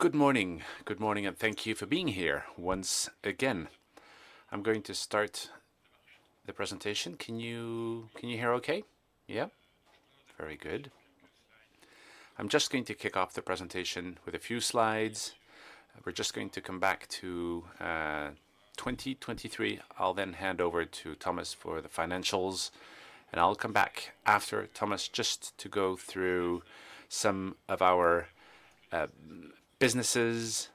Good morning. Good morning, and thank you for being here once again. I'm going to start the presentation. Can you hear okay? Yeah. Very good. I'm just going to kick off the presentation with a few slides. We're just going to come back to 2023. I'll then hand over to Thomas for the financials, and I'll come back after Thomas just to go through some of our businesses,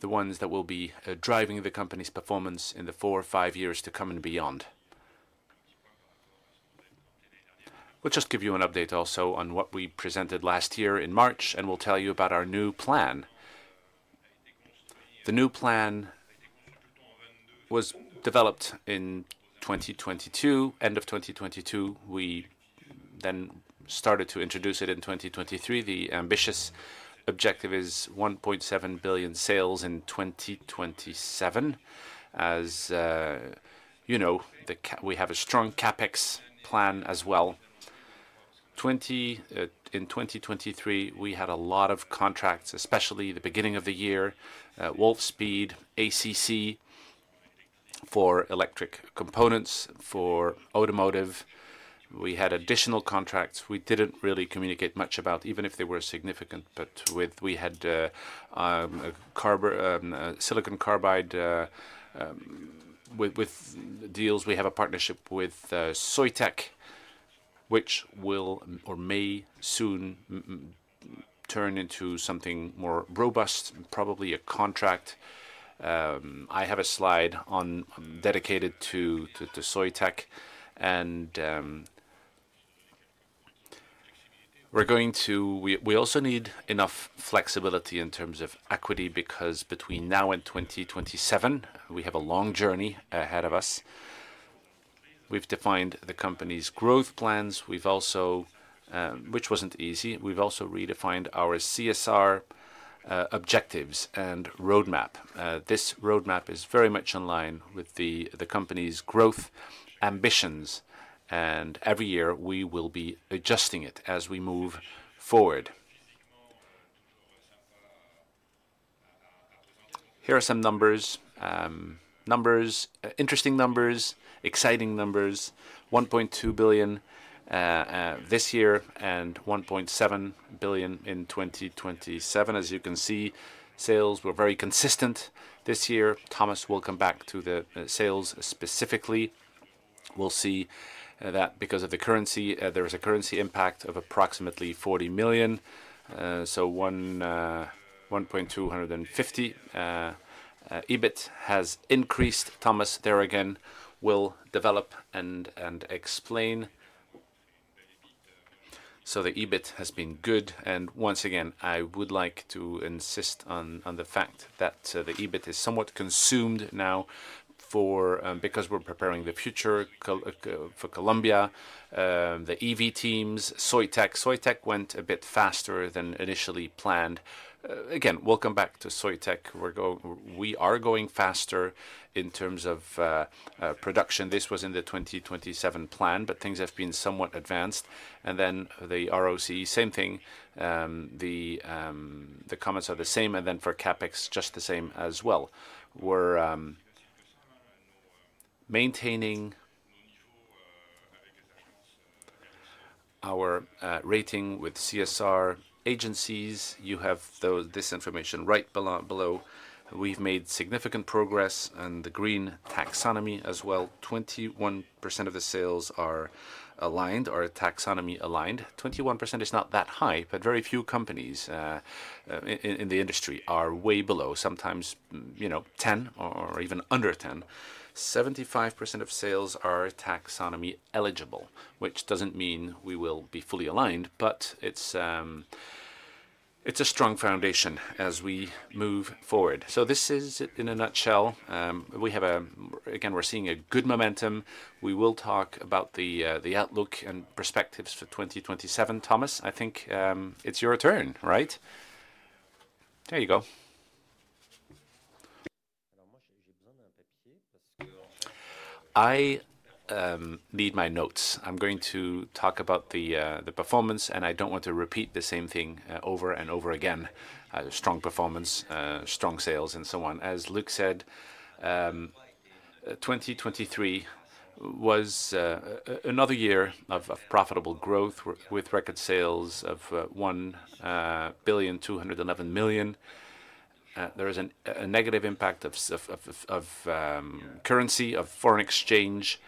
the ones that will be driving the company's performance in the four or five years to come and beyond. We'll just give you an update also on what we presented last year in March, and we'll tell you about our new plan. The new plan was developed in 2022, end of 2022. We then started to introduce it in 2023. The ambitious objective is 1.7 billion sales in 2027. As you know, we have a strong CapEx plan as well. In 2023, we had a lot of contracts, especially the beginning of the year, Wolfspeed, ACC, for electric components for automotive. We had additional contracts we didn't really communicate much about, even if they were significant. But we had silicon carbide deals. We have a partnership with Soitec, which will or may soon turn into something more robust, probably a contract. I have a slide dedicated to Soitec, and we're going to... We also need enough flexibility in terms of equity, because between now and 2027, we have a long journey ahead of us. We've defined the company's growth plans. We've also, which wasn't easy, we've also redefined our CSR objectives and roadmap. This roadmap is very much in line with the company's growth ambitions, and every year, we will be adjusting it as we move forward. Here are some numbers. Numbers, interesting numbers, exciting numbers. 1.2 billion this year, and 1.7 billion in 2027. As you can see, sales were very consistent this year. Thomas will come back to the sales specifically. We'll see that because of the currency, there is a currency impact of approximately 40 million, so 1.250 billion. EBIT has increased. Thomas, there again, will develop and explain. So the EBIT has been good, and once again, I would like to insist on the fact that the EBIT is somewhat consumed now because we're preparing the future for Columbia, the EV teams, Soitec. Soitec went a bit faster than initially planned. Again, we'll come back to Soitec. We are going faster in terms of production. This was in the 2027 plan, but things have been somewhat advanced. And then the ROC, same thing, the comments are the same, and then for CapEx, just the same as well. We're maintaining our rating with CSR agencies. You have this information right below. We've made significant progress on the Green Taxonomy as well. 21% of the sales are aligned or taxonomy aligned. 21% is not that high, but very few companies in the industry are way below, sometimes, you know, 10 or even under 10. 75% of sales are taxonomy eligible, which doesn't mean we will be fully aligned, but it's a strong foundation as we move forward. So this is in a nutshell. We have... Again, we're seeing a good momentum. We will talk about the outlook and perspectives for 2027. Thomas, I think it's your turn, right? There you go. I need my notes. I'm going to talk about the performance, and I don't want to repeat the same thing over and over again, strong performance, strong sales, and so on. As Luc said, 2023 was another year of profitable growth with record sales of 1,211 million. There is a negative impact of currency, of foreign exchange,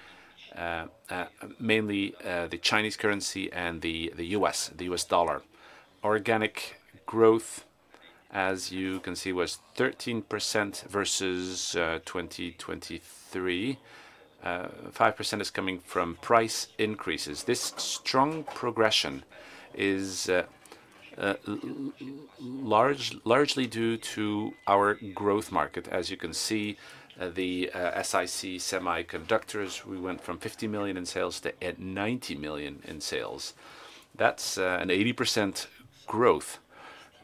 mainly the Chinese currency and the US dollar. Organic growth, as you can see, was 13% versus 2023. Five percent is coming from price increases. This strong progression is largely due to our growth market. As you can see, the SiC semiconductors, we went from 50 million in sales to 90 million in sales. That's an 80% growth,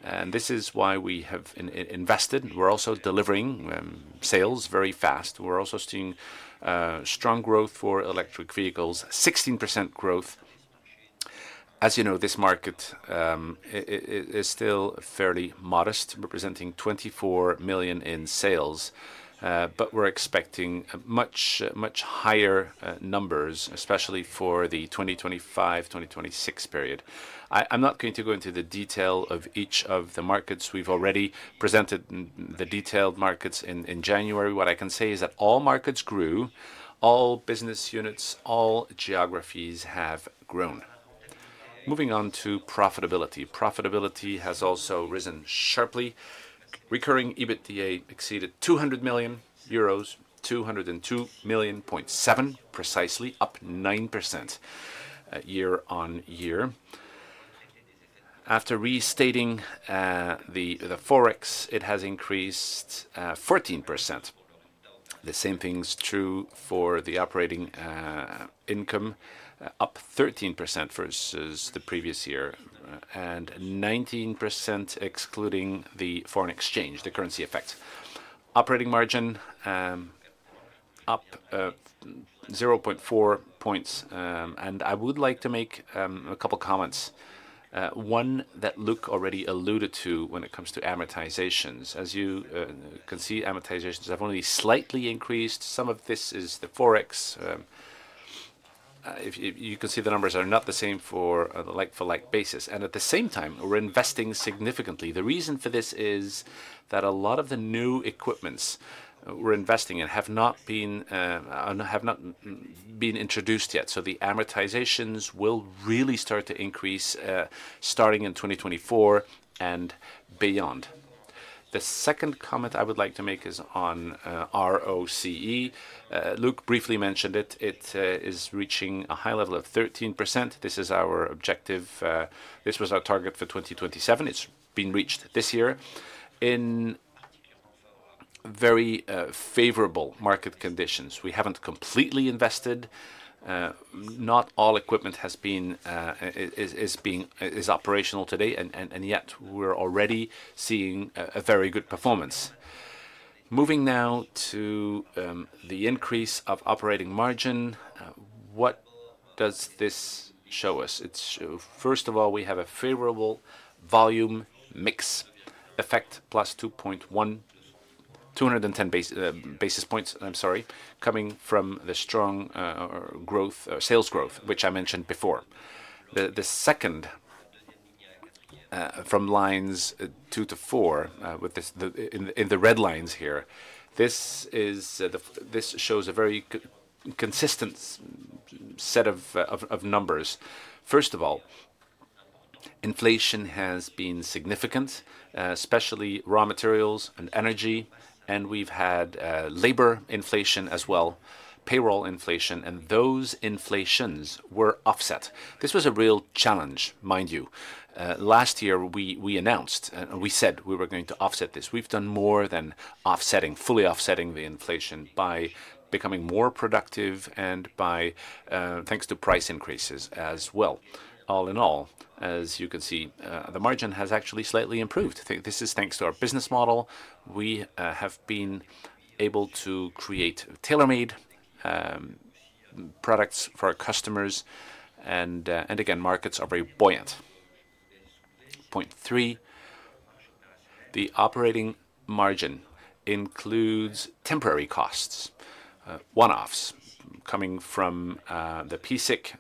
and this is why we have invested. We're also delivering sales very fast. We're also seeing strong growth for electric vehicles, 16% growth. As you know, this market is still fairly modest, representing 24 million in sales. But we're expecting much, much higher numbers, especially for the 2025-2026 period. I'm not going to go into the detail of each of the markets. We've already presented the detailed markets in January. What I can say is that all markets grew, all business units, all geographies have grown. Moving on to profitability. Profitability has also risen sharply. Recurring EBITDA exceeded 200 million euros, 202.7 million EUR, precisely, up 9% year-on-year. After restating the Forex, it has increased 14%. The same thing's true for the operating income, up 13% versus the previous year, and 19%, excluding the foreign exchange, the currency effect. Operating margin, up 0.4 points. And I would like to make a couple comments. One, that Luc already alluded to when it comes to amortizations. As you can see, amortizations have only slightly increased. Some of this is the Forex. If you can see the numbers are not the same for a like-for-like basis, and at the same time, we're investing significantly. The reason for this is that a lot of the new equipments we're investing in have not been introduced yet. So the amortizations will really start to increase, starting in 2024 and beyond. The second comment I would like to make is on ROCE. Luc briefly mentioned it. It is reaching a high level of 13%. This is our objective. This was our target for 2027. It's been reached this year in very favorable market conditions. We haven't completely invested. Not all equipment has been is operational today, yet we're already seeing a very good performance. Moving now to the increase of operating margin. What does this show us? It show... First of all, we have a favorable volume mix effect, plus 2.1, 210 basis points, I'm sorry, coming from the strong growth sales growth, which I mentioned before. The second, from lines two to four, with this, in the red lines here, this shows a very consistent set of numbers. First of all, inflation has been significant, especially raw materials and energy, and we've had labor inflation as well, payroll inflation, and those inflations were offset. This was a real challenge, mind you. Last year, we announced, we said we were going to offset this. We've done more than offsetting, fully offsetting the inflation by becoming more productive and by, thanks to price increases as well. All in all, as you can see, the margin has actually slightly improved. I think this is thanks to our business model. We have been able to create tailor-made products for our customers, and again, markets are very buoyant. Point three, the operating margin includes temporary costs, one-offs coming from the p-SiC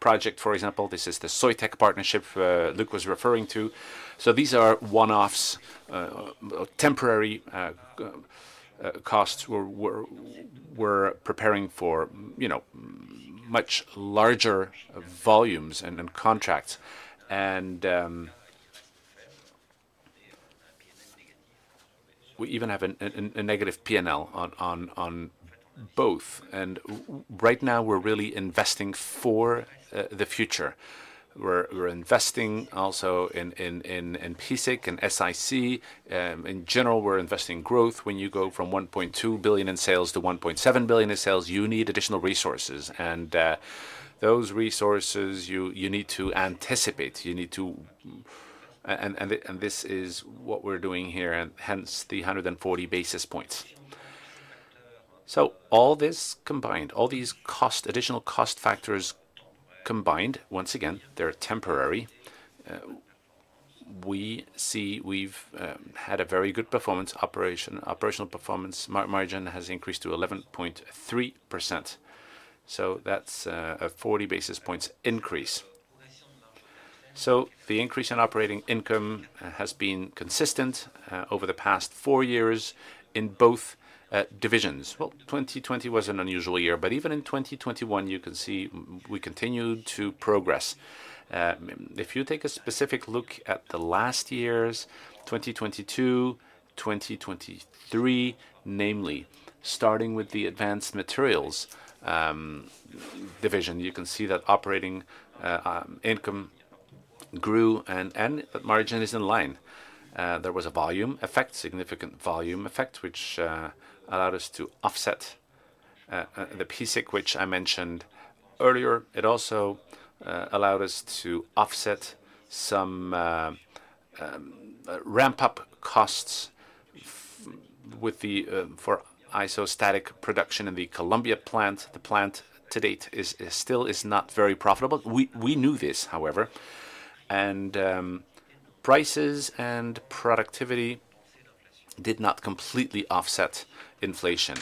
project, for example. This is the Soitec partnership Luc was referring to. So these are one-offs, temporary costs. We're preparing for, you know, much larger volumes and contracts, and we even have a negative P&L on both. And right now, we're really investing for the future. We're investing also in p-SiC and SiC. In general, we're investing in growth. When you go from 1.2 billion in sales to 1.7 billion in sales, you need additional resources, and those resources, you need to anticipate, you need to... And this is what we're doing here, and hence, the 140 basis points. So all this combined, all these costs, additional cost factors combined, once again, they're temporary. We see we've had a very good performance, operational performance. Margin has increased to 11.3%, so that's a 40 basis points increase. So the increase in operating income has been consistent over the past 4 years in both divisions. Well, 2020 was an unusual year, but even in 2021, you can see we continued to progress. If you take a specific look at the last years, 2022, 2023, namely, starting with the advanced materials division, you can see that operating income grew, and margin is in line. There was a volume effect, significant volume effect, which allowed us to offset the p-SiC, which I mentioned earlier. It also allowed us to offset some ramp-up costs with the for isostatic production in the Columbia plant. The plant to date is still not very profitable. We knew this, however, and prices and productivity did not completely offset inflation.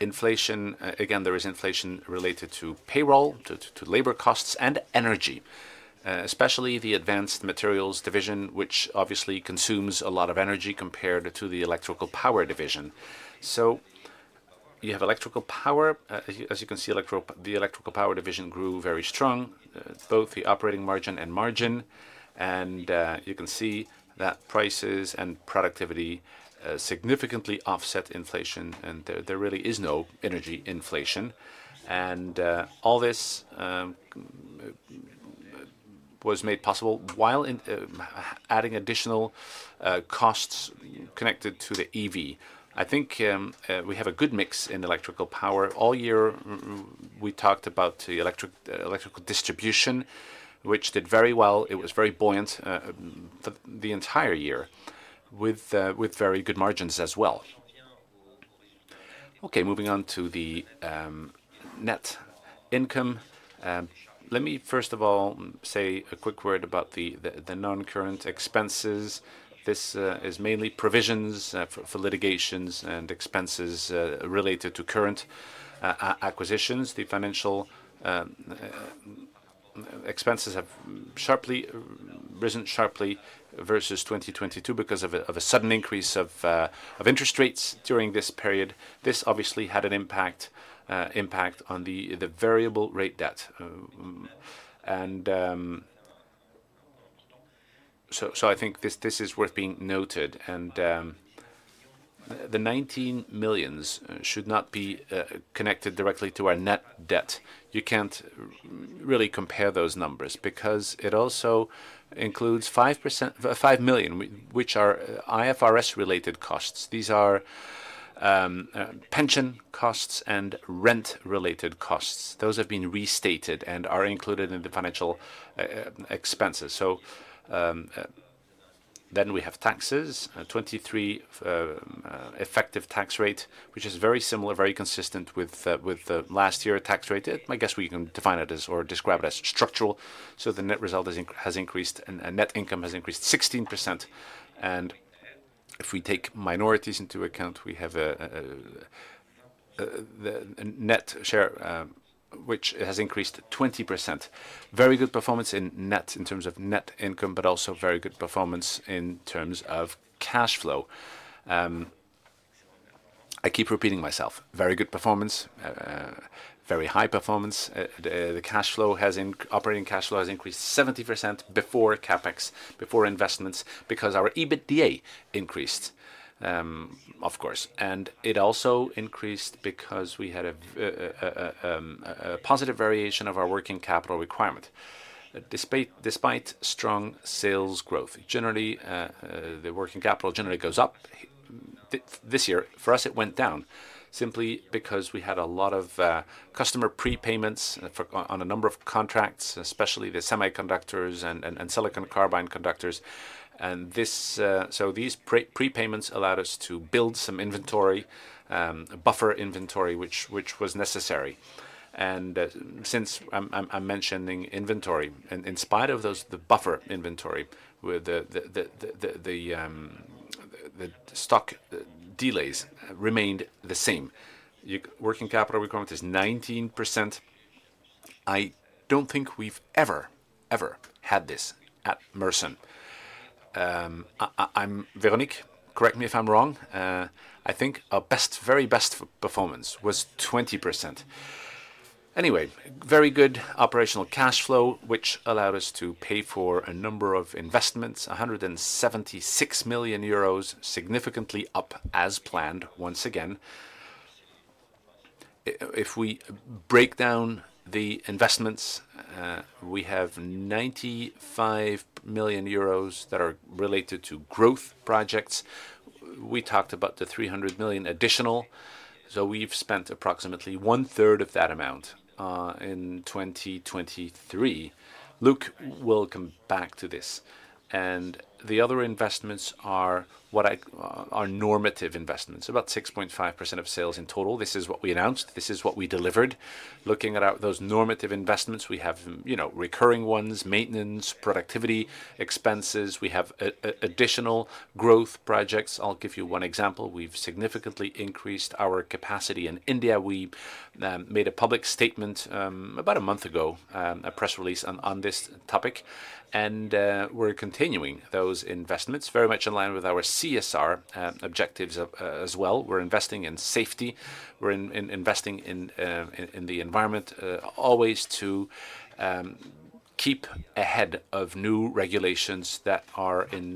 Inflation again, there is inflation related to payroll, to labor costs, and energy, especially the advanced materials division, which obviously consumes a lot of energy compared to the electrical power division. So you have electrical power. As you can see, the electrical power division grew very strong, both the operating margin and margin. And you can see that prices and productivity significantly offset inflation, and there really is no energy inflation. And all this was made possible while in adding additional costs connected to the EV. I think, we have a good mix in electrical power. All year, we talked about the electrical distribution, which did very well. It was very buoyant, the entire year, with very good margins as well. Okay, moving on to the net income. Let me first of all, say a quick word about the non-current expenses. This is mainly provisions for litigations and expenses related to current acquisitions. The financial expenses have risen sharply versus 2022 because of a sudden increase of interest rates during this period. This obviously had an impact on the variable rate debt. And... So, I think this is worth being noted, and the 19 million should not be connected directly to our net debt. You can't really compare those numbers because it also includes five million, which are IFRS-related costs. These are pension costs and rent-related costs. Those have been restated and are included in the financial expenses. So, then we have taxes, 23% effective tax rate, which is very similar, very consistent with the last year tax rate. I guess we can define it as or describe it as structural. So the net result has increased and net income has increased 16%. And if we take minorities into account, we have the net share, which has increased 20%. Very good performance in net, in terms of net income, but also very good performance in terms of cash flow. I keep repeating myself. Very good performance, very high performance. The cash flow has... Operating cash flow has increased 70% before CapEx, before investments, because our EBITDA increased, of course. And it also increased because we had a positive variation of our working capital requirement. Despite strong sales growth, generally, the working capital generally goes up. This year, for us, it went down simply because we had a lot of customer prepayments for, on a number of contracts, especially the semiconductors and silicon carbide semiconductors. And this... So these prepayments allowed us to build some inventory, buffer inventory, which was necessary. Since I'm mentioning inventory, and in spite of those, the buffer inventory with the stock delays remained the same. Working capital requirement is 19%. I don't think we've ever had this at Mersen. Véronique, correct me if I'm wrong. I think our best, very best performance was 20%. Anyway, very good operational cash flow, which allowed us to pay for a number of investments, 176 million euros, significantly up as planned, once again. If we break down the investments, we have 95 million euros that are related to growth projects. We talked about the 300 million additional, so we've spent approximately one-third of that amount in 2023. Luc will come back to this. The other investments are normative investments, about 6.5% of sales in total. This is what we announced, this is what we delivered. Looking at those normative investments, we have, you know, recurring ones, maintenance, productivity, expenses. We have additional growth projects. I'll give you one example: We've significantly increased our capacity in India. We made a public statement about a month ago, a press release on this topic, and we're continuing those investments, very much in line with our CSR objectives as well. We're investing in safety. We're investing in the environment, always to keep ahead of new regulations that are in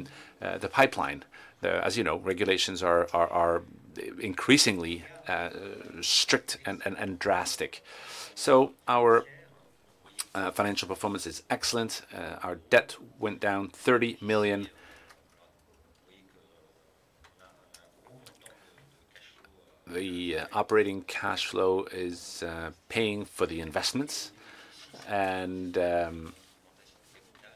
the pipeline. As you know, regulations are increasingly strict and drastic. So our financial performance is excellent. Our debt went down 30 million. The operating cash flow is paying for the investments, and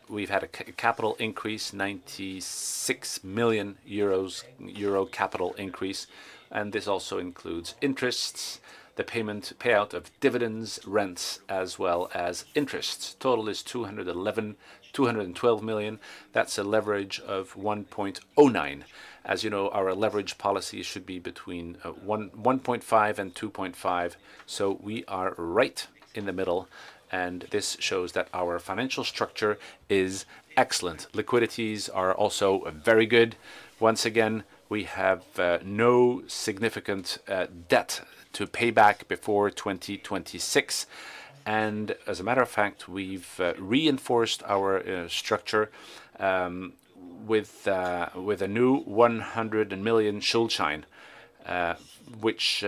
we've had a capital increase, 96 million euro capital increase, and this also includes interests, the payment, payout of dividends, rents, as well as interests. Total is 212 million. That's a leverage of 1.09. As you know, our leverage policy should be between 1.5 and 2.5, so we are right in the middle, and this shows that our financial structure is excellent. Liquidities are also very good. Once again, we have no significant debt to pay back before 2026, and as a matter of fact, we've reinforced our structure with a new 100 million Schuldschein, which...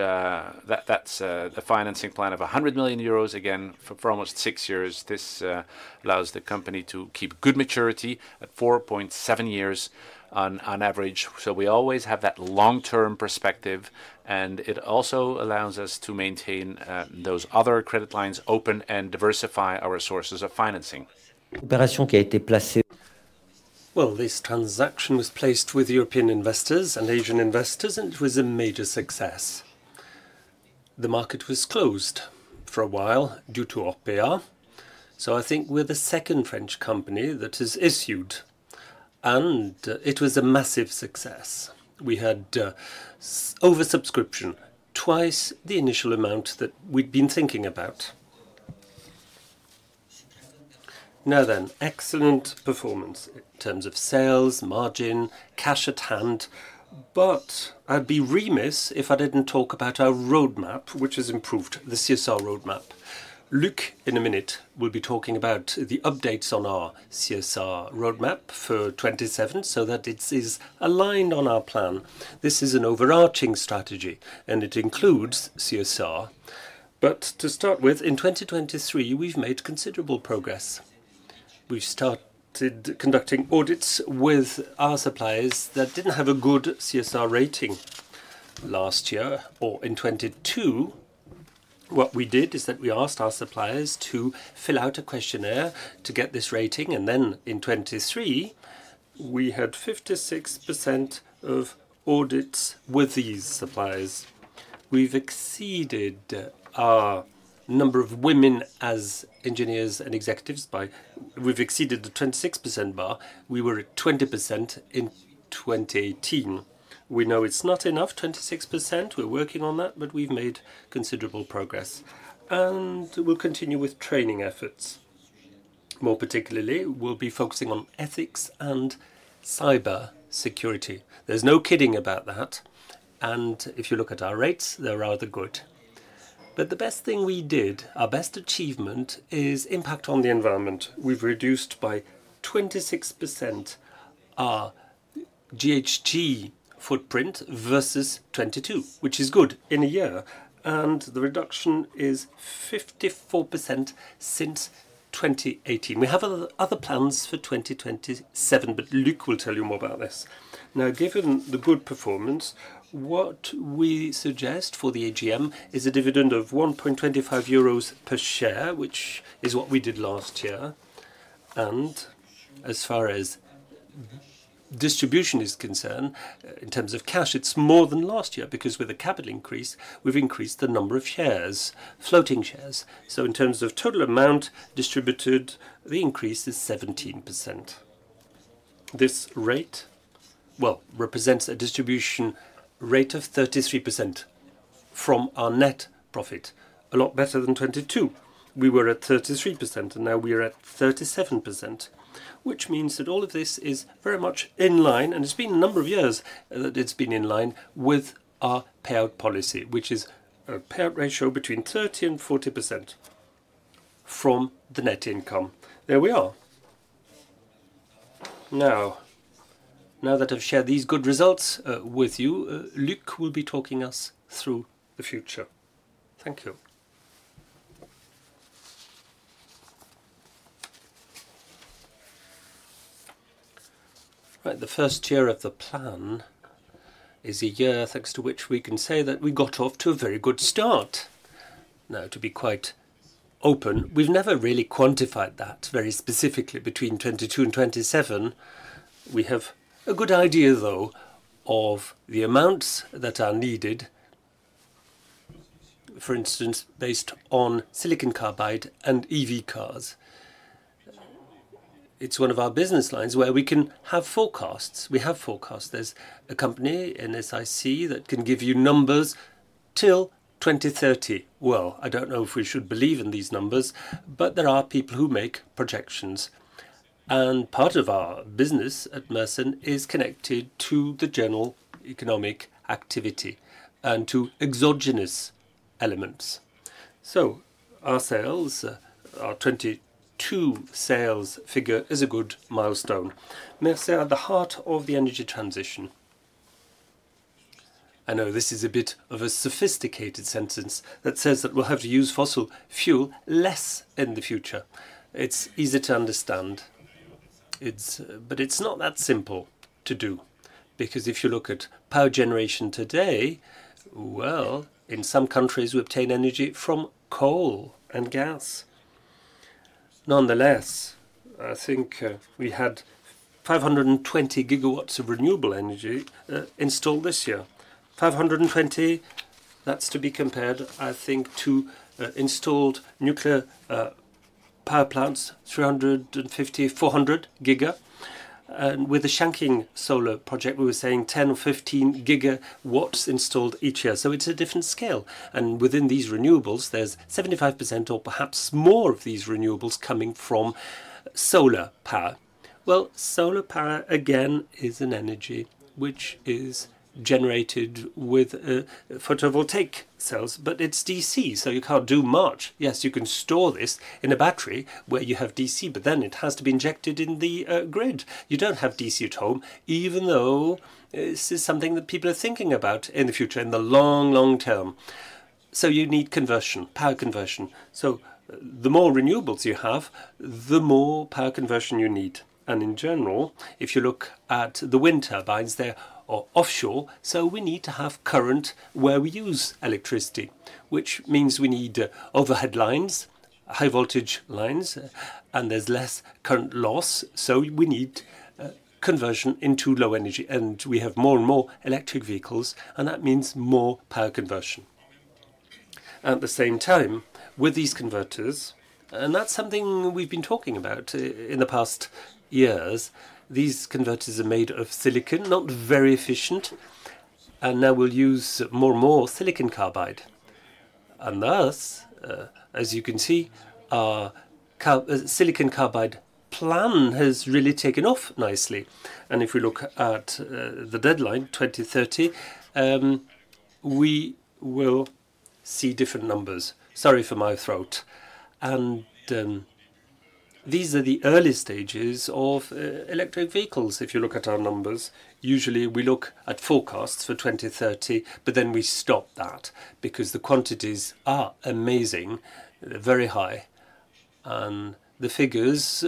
That, that's the financing plan of 100 million euros, again, for, for almost six years. This allows the company to keep good maturity at 4.7 years on, on average, so we always have that long-term perspective, and it also allows us to maintain those other credit lines open and diversify our sources of financing. Well, this transaction was placed with European investors and Asian investors, and it was a major success. The market was closed for a while due to OPA, so I think we're the second French company that has issued, and it was a massive success. We had oversubscription, twice the initial amount that we'd been thinking about. Now then, excellent performance in terms of sales, margin, cash at hand, but I'd be remiss if I didn't talk about our roadmap, which has improved, the CSR roadmap. Luc, in a minute, will be talking about the updates on our CSR roadmap for 2027, so that it is aligned on our plan. This is an overarching strategy, and it includes CSR. But to start with, in 2023, we've made considerable progress. We started conducting audits with our suppliers that didn't have a good CSR rating last year or in 2022. What we did is that we asked our suppliers to fill out a questionnaire to get this rating, and then in 2023, we had 56% of audits with these suppliers. We've exceeded our number of women as engineers and executives by... We've exceeded the 26% bar. We were at 20% in 2018. We know it's not enough, 26%. We're working on that, but we've made considerable progress, and we'll continue with training efforts. More particularly, we'll be focusing on ethics and cyber security. There's no kidding about that, and if you look at our rates, they're rather good. But the best thing we did, our best achievement, is impact on the environment. We've reduced by 26% our GHG footprint versus 2022, which is good, in a year, and the reduction is 54% since 2018. We have other plans for 2027, but Luc will tell you more about this. Now, given the good performance, what we suggest for the AGM is a dividend of 1.25 euros per share, which is what we did last year. And as far as distribution is concerned, in terms of cash, it's more than last year, because with the capital increase, we've increased the number of shares, floating shares. So in terms of total amount distributed, the increase is 17%. This rate, well, represents a distribution rate of 33% from our net profit. A lot better than 2022. We were at 33%, and now we are at 37%, which means that all of this is very much in line, and it's been a number of years that it's been in line with our payout policy, which is a payout ratio between 30% and 40% from the net income. There we are. Now, now that I've shared these good results with you, Luc will be talking us through the future. Thank you. Right, the first year of the plan is a year, thanks to which we can say that we got off to a very good start. Now, to be quite open, we've never really quantified that very specifically between 2022 and 2027. We have a good idea, though, of the amounts that are needed, for instance, based on silicon carbide and EV cars. It's one of our business lines where we can have forecasts. We have forecasts. There's a company, Yole, that can give you numbers till 2030. Well, I don't know if we should believe in these numbers, but there are people who make projections, and part of our business at Mersen is connected to the general economic activity and to exogenous elements. So our sales, our 2022 sales figure, is a good milestone. Mersen are at the heart of the energy transition. I know this is a bit of a sophisticated sentence that says that we'll have to use fossil fuel less in the future. It's easy to understand. But it's not that simple to do, because if you look at power generation today, well, in some countries we obtain energy from coal and gas. Nonetheless, I think, we had 520 gigawatts of renewable energy installed this year. 520, that's to be compared, I think, to installed nuclear power plants, 350-400 giga. And with the Chongqing Solar project, we were saying 10 or 15 gigawatts installed each year. So it's a different scale, and within these renewables, there's 75% or perhaps more of these renewables coming from solar power. Well, solar power, again, is an energy which is generated with photovoltaic cells, but it's DC, so you can't do much. Yes, you can store this in a battery where you have DC, but then it has to be injected in the grid. You don't have DC at home, even though this is something that people are thinking about in the future, in the long, long term. So you need conversion, power conversion. So the more renewables you have, the more power conversion you need. And in general, if you look at the wind turbines, they're offshore, so we need to have current where we use electricity, which means we need overhead lines, high voltage lines, and there's less current loss, so we need conversion into low energy. And we have more and more electric vehicles, and that means more power conversion. At the same time, with these converters, and that's something we've been talking about in the past years, these converters are made of silicon, not very efficient, and now we'll use more and more silicon carbide. And thus, as you can see, our silicon carbide plan has really taken off nicely. And if we look at the deadline, 2030, we will see different numbers. Sorry for my throat. These are the early stages of electric vehicles if you look at our numbers. Usually, we look at forecasts for 2030, but then we stop that because the quantities are amazing, very high, and the figures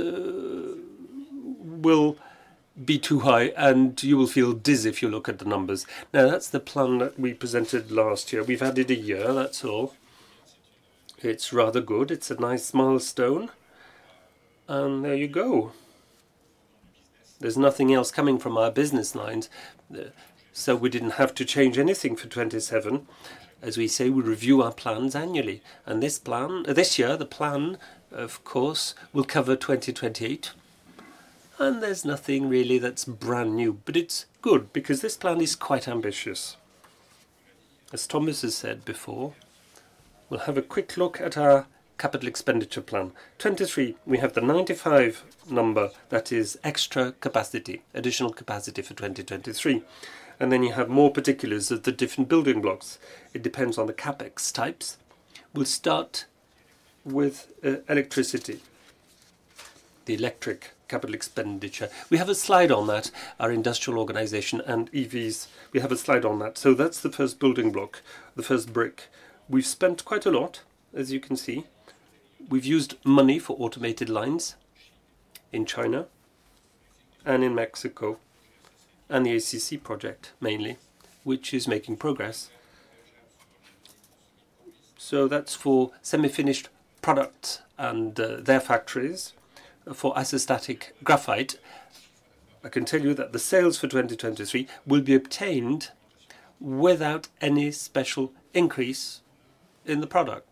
will be too high, and you will feel dizzy if you look at the numbers. Now, that's the plan that we presented last year. We've added a year, that's all. It's rather good. It's a nice milestone, and there you go. There's nothing else coming from our business lines, so we didn't have to change anything for 2027. As we say, we review our plans annually, and this plan, this year, the plan, of course, will cover 2028, and there's nothing really that's brand new. But it's good because this plan is quite ambitious. As Thomas has said before, we'll have a quick look at our capital expenditure plan. 2023, we have the 95 number that is extra capacity, additional capacity for 2023, and then you have more particulars of the different building blocks. It depends on the CapEx types. We'll start with e- electricity, the electric capital expenditure. We have a slide on that, our industrial organization and EVs. We have a slide on that. So that's the first building block, the first brick. We've spent quite a lot, as you can see. We've used money for automated lines in China and in Mexico, and the ACC project mainly, which is making progress. So that's for semi-finished products and their factories. For isostatic graphite, I can tell you that the sales for 2023 will be obtained without any special increase in the product.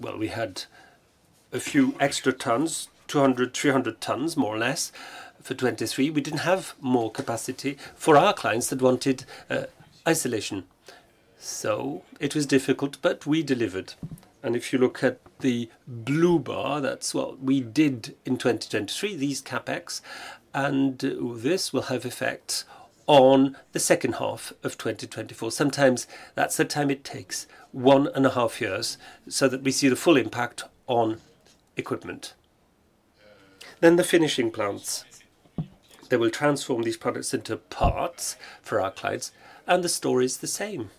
Well, we had a few extra tons, 200, 300 tons, more or less, for 2023. We didn't have more capacity for our clients that wanted isolation, so it was difficult, but we delivered. And if you look at the blue bar, that's what we did in 2023, these CapEx, and this will have effect on the second half of 2024. Sometimes that's the time it takes, one and a half years, so that we see the full impact on equipment. Then the finishing plants, they will transform these products into parts for our clients, and the story is the same.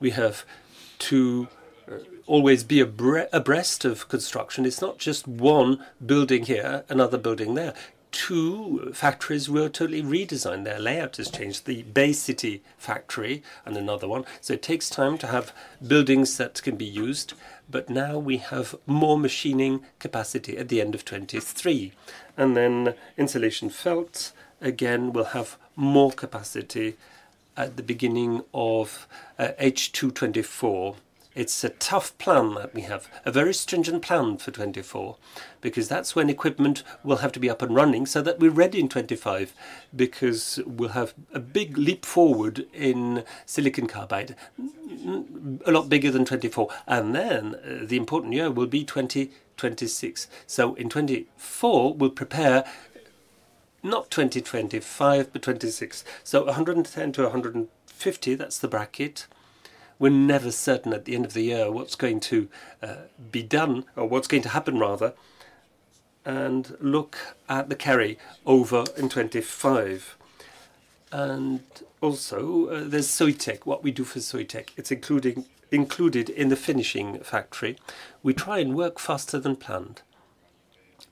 We have to always be abreast of construction. It's not just one building here, another building there. Two factories were totally redesigned. Their layout has changed, the Bay City factory and another one. So it takes time to have buildings that can be used, but now we have more machining capacity at the end of 2023. And then insulation felts, again, will have more capacity at the beginning of H2 2024. It's a tough plan that we have, a very stringent plan for 2024, because that's when equipment will have to be up and running so that we're ready in 2025. Because we'll have a big leap forward in silicon carbide, a lot bigger than 2024, and then the important year will be 2026. So in 2024, we'll prepare not 2025, but 2026. So 110-150, that's the bracket. We're never certain at the end of the year what's going to be done or what's going to happen, rather, and look at the carry over in 2025. Also, there's Soitec, what we do for Soitec. It's included in the finishing factory. We try and work faster than planned,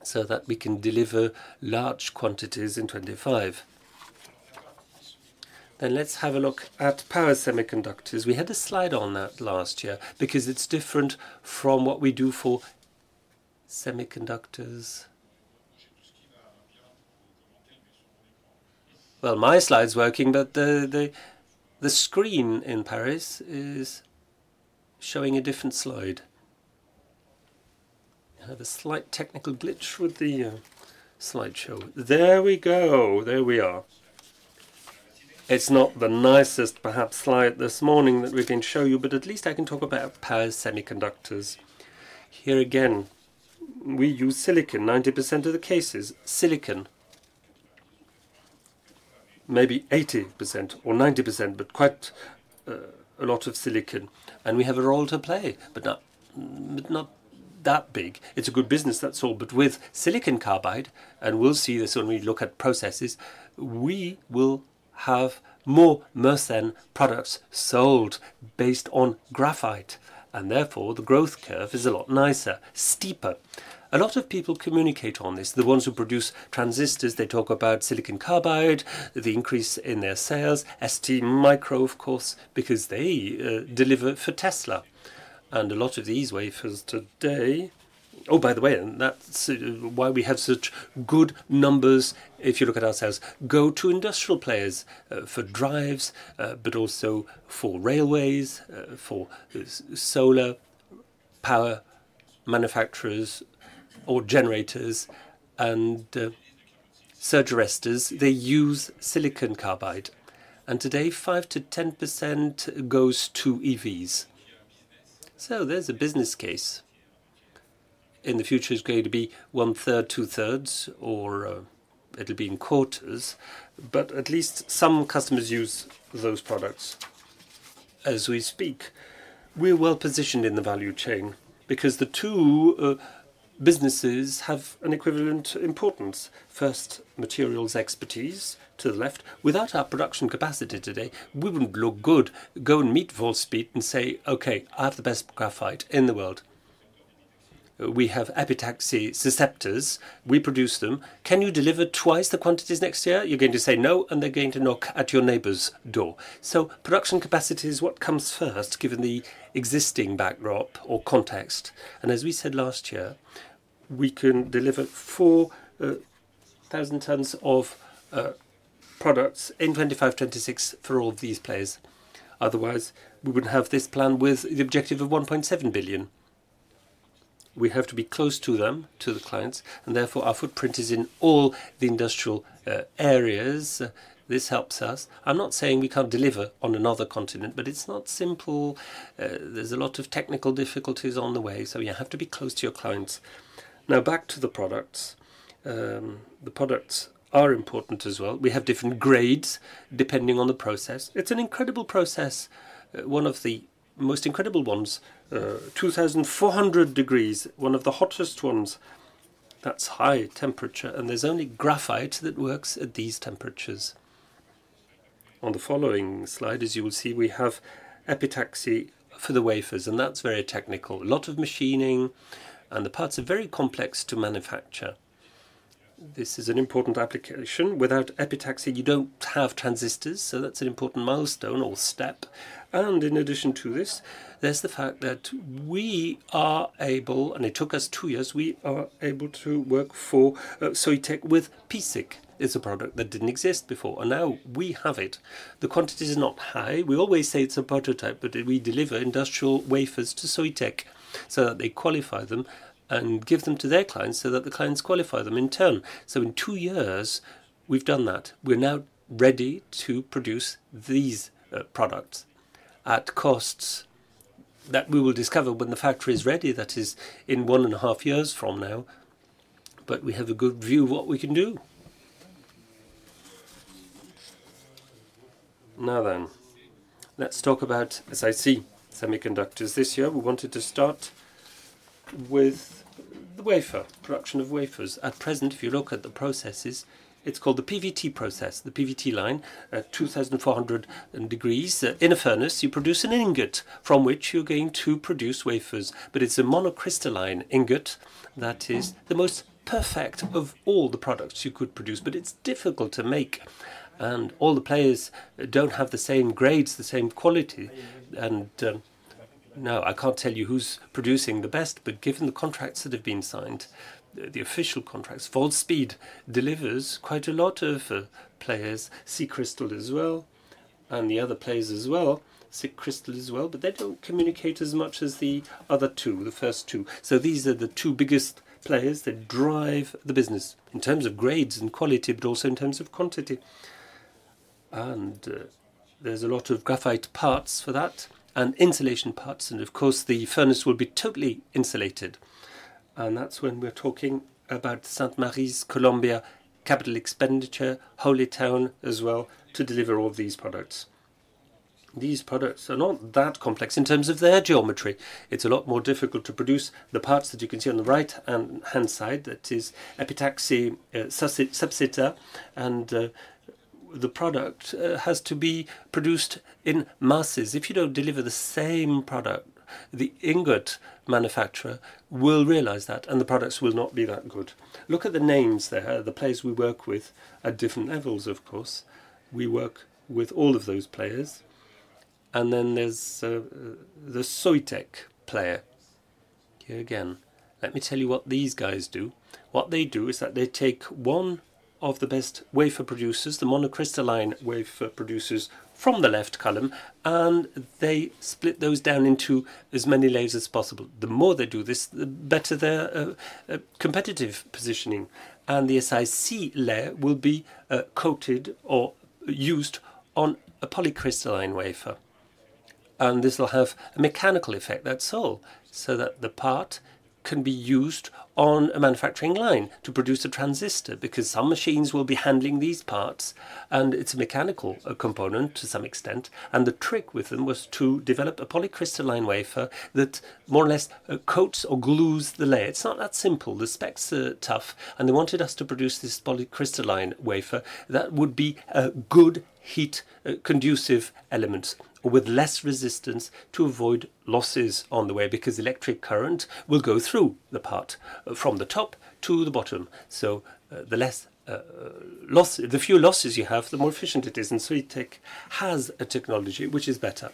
so that we can deliver large quantities in 25. Then let's have a look at power semiconductors. We had a slide on that last year, because it's different from what we do for semiconductors. Well, my slide's working, but the screen in Paris is showing a different slide. We have a slight technical glitch with the slideshow. There we go! There we are. It's not the nicest, perhaps, slide this morning that we can show you, but at least I can talk about power semiconductors. Here again, we use silicon, 90% of the cases, silicon. Maybe 80% or 90%, but quite a lot of silicon, and we have a role to play, but not that big. It's a good business, that's all. But with silicon carbide, and we'll see this when we look at processes, we will have more Mersen products sold based on graphite, and therefore, the growth curve is a lot nicer, steeper. A lot of people communicate on this. The ones who produce transistors, they talk about silicon carbide, the increase in their sales. STMicro, of course, because they deliver for Tesla, and a lot of these wafers today. Oh, by the way, and that's why we have such good numbers, if you look at our sales, go to industrial players for drives, but also for railways, for solar power manufacturers or generators and surge arresters. They use silicon carbide, and today, 5%-10% goes to EVs. So there's a business case. In the future, it's going to be one-third, two-thirds, or, it'll be in quarters, but at least some customers use those products as we speak. We're well-positioned in the value chain because the two businesses have an equivalent importance. First, materials expertise to the left. Without our production capacity today, we wouldn't look good. Go and meet full speed and say, "Okay, I have the best graphite in the world. We have epitaxy susceptors. We produce them. Can you deliver twice the quantities next year?" You're going to say no, and they're going to knock at your neighbor's door. So production capacity is what comes first, given the existing backdrop or context. And as we said last year, we can deliver 4,000 tons of products in 2025, 2026 for all these players. Otherwise, we wouldn't have this plan with the objective of 1.7 billion. We have to be close to them, to the clients, and therefore, our footprint is in all the industrial areas. This helps us. I'm not saying we can't deliver on another continent, but it's not simple. There's a lot of technical difficulties on the way, so you have to be close to your clients. Now, back to the products. The products are important as well. We have different grades depending on the process. It's an incredible process, one of the most incredible ones. 2,400 degrees, one of the hottest ones. That's high temperature, and there's only graphite that works at these temperatures. On the following slide, as you will see, we have epitaxy for the wafers, and that's very technical. A lot of machining, and the parts are very complex to manufacture. This is an important application. Without epitaxy, you don't have transistors, so that's an important milestone or step. And in addition to this, there's the fact that we are able, and it took us two years, we are able to work for Soitec with p-SiC. It's a product that didn't exist before, and now we have it. The quantity is not high. We always say it's a prototype, but we deliver industrial wafers to Soitec, so that they qualify them and give them to their clients, so that the clients qualify them in turn. So in two years, we've done that. We're now ready to produce these products at costs that we will discover when the factory is ready, that is in one and a half years from now. But we have a good view of what we can do. Now then, let's talk about SiC semiconductors. This year, we wanted to start with the wafer, production of wafers. At present, if you look at the processes, it's called the PVT process, the PVT line. At 2,400 degrees in a furnace, you produce an ingot, from which you're going to produce wafers. But it's a monocrystalline ingot that is the most perfect of all the products you could produce, but it's difficult to make, and all the players don't have the same grades, the same quality. Now, I can't tell you who's producing the best, but given the contracts that have been signed, the official contracts, Wolfspeed delivers quite a lot of players, SiCrystal as well, and the other players as well, SiCrystal as well, but they don't communicate as much as the other two, the first two. So these are the two biggest players that drive the business in terms of grades and quality, but also in terms of quantity. There's a lot of graphite parts for that and insulation parts, and of course, the furnace will be totally insulated, and that's when we're talking about St. Marys, Columbia capital expenditure, Holytown as well, to deliver all these products. These products are not that complex in terms of their geometry. It's a lot more difficult to produce the parts that you can see on the right hand side, that is epitaxy, substrates, and the product has to be produced in masses. If you don't deliver the same product, the ingot manufacturer will realize that, and the products will not be that good. Look at the names there, the players we work with at different levels, of course. We work with all of those players. And then there's the Soitec player. Here again, let me tell you what these guys do. What they do is that they take one of the best wafer producers, the monocrystalline wafer producers from the left column, and they split those down into as many layers as possible. The more they do this, the better their competitive positioning. And the SiC layer will be coated or used on a polycrystalline wafer, and this will have a mechanical effect, that's all. So that the part can be used on a manufacturing line to produce a transistor, because some machines will be handling these parts, and it's a mechanical component to some extent. And the trick with them was to develop a polycrystalline wafer that more or less coats or glues the layer. It's not that simple. The specs are tough, and they wanted us to produce this polycrystalline wafer that would be a good heat conducive element with less resistance to avoid losses on the way, because electric current will go through the part from the top to the bottom. So, the less loss, the fewer losses you have, the more efficient it is. And Soitec has a technology which is better,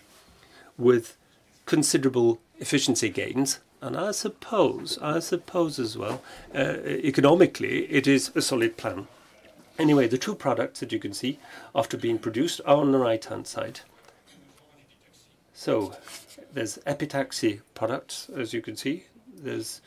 with considerable efficiency gains. And I suppose as well, economically, it is a solid plan. Anyway, the two products that you can see after being produced are on the right-hand side. So there's epitaxy products, as you can see. There's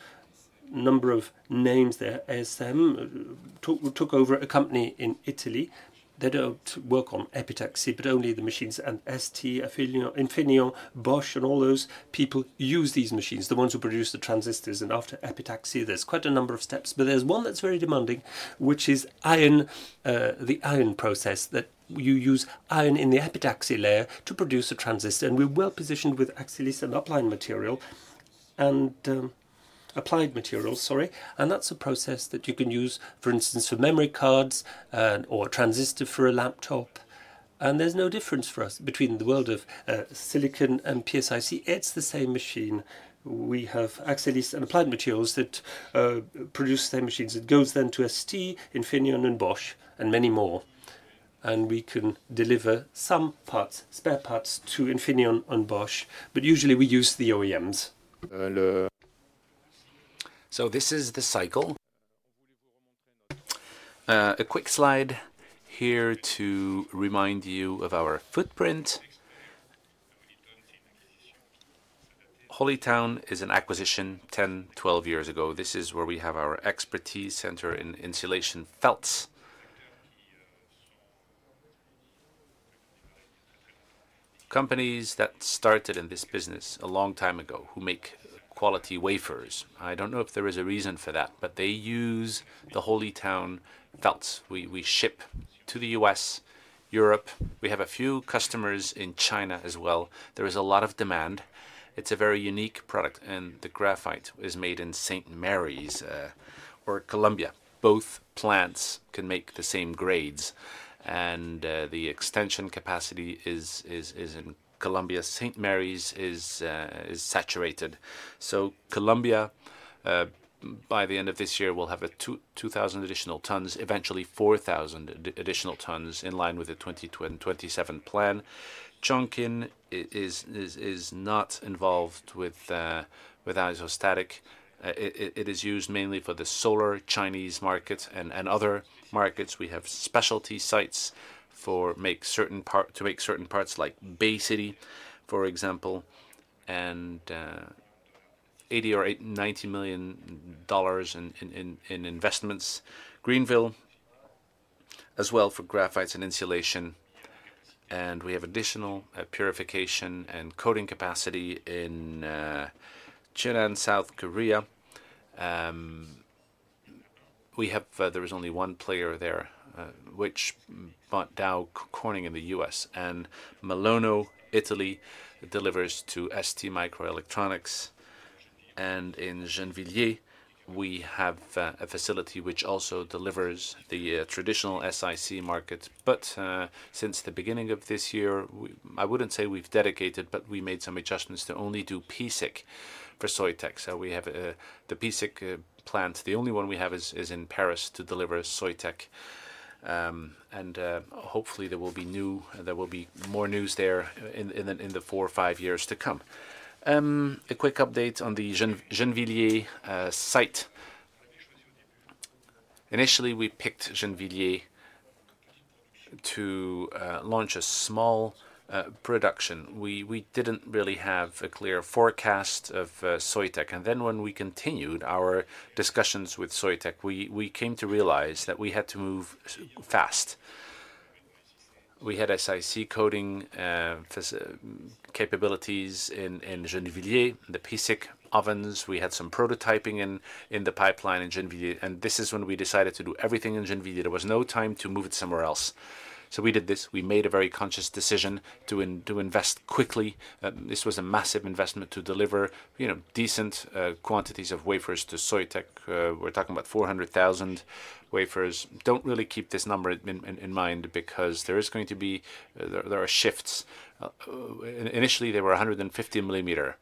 a number of names there. ASM took over a company in Italy. They don't work on epitaxy, but only the machines. And ST, Infineon, Bosch, and all those people use these machines, the ones who produce the transistors. And after epitaxy, there's quite a number of steps, but there's one that's very demanding, which is ion, the ion process, that you use ion in the epitaxy layer to produce a transistor. And we're well positioned with Axcelis and Applied Materials, sorry. And that's a process that you can use, for instance, for memory cards, or a transistor for a laptop. And there's no difference for us between the world of, silicon and P-SiC. It's the same machine. We have Axcelis and Applied Materials that, produce the same machines. It goes then to ST, Infineon, and Bosch, and many more. And we can deliver some parts, spare parts, to Infineon and Bosch, but usually we use the OEMs. So this is the cycle. A quick slide here to remind you of our footprint. Holytown is an acquisition 10-12 years ago. This is where we have our expertise center in insulation felts. Companies that started in this business a long time ago, who make quality wafers, I don't know if there is a reason for that, but they use the Holytown felts. We ship to the US, Europe. We have a few customers in China as well. There is a lot of demand. It's a very unique product, and the graphite is made in St. Marys, or Columbia. Both plants can make the same grades, and the extension capacity is in Columbia. St. Marys is saturated. So Columbia, by the end of this year, will have a 2,000 additional tons, eventually 4,000 additional tons, in line with the 2027 plan. Chongqing is not involved with isostatic. It is used mainly for the solar Chinese markets and other markets. We have specialty sites to make certain parts, like Bay City, for example, and $90 million in investments. Greenville as well, for graphites and insulation. And we have additional purification and coating capacity in Cheonan, South Korea. We have... there is only one player there, which bought Dow Corning in the US. And Malonno, Italy, delivers to STMicroelectronics. And in Gennevilliers, we have a facility which also delivers the traditional SiC market. But since the beginning of this year, I wouldn't say we've dedicated, but we made some adjustments to only do p-SiC for Soitec. So we have the p-SiC plant, the only one we have is in Paris, to deliver Soitec. And hopefully there will be more news there in the four or five years to come. A quick update on the Gennevilliers site. Initially, we picked Gennevilliers to launch a small production. We didn't really have a clear forecast of Soitec. And then when we continued our discussions with Soitec, we came to realize that we had to move fast. We had SiC coating, fac-... capabilities in Gennevilliers, the p-SiC ovens. We had some prototyping in the pipeline in Gennevilliers, and this is when we decided to do everything in Gennevilliers. There was no time to move it somewhere else. So we did this. We made a very conscious decision to invest quickly. This was a massive investment to deliver, you know, decent quantities of wafers to Soitec. We're talking about 400,000 wafers. Don't really keep this number in mind because there is going to be... there are shifts. Initially, they were 150 millimeter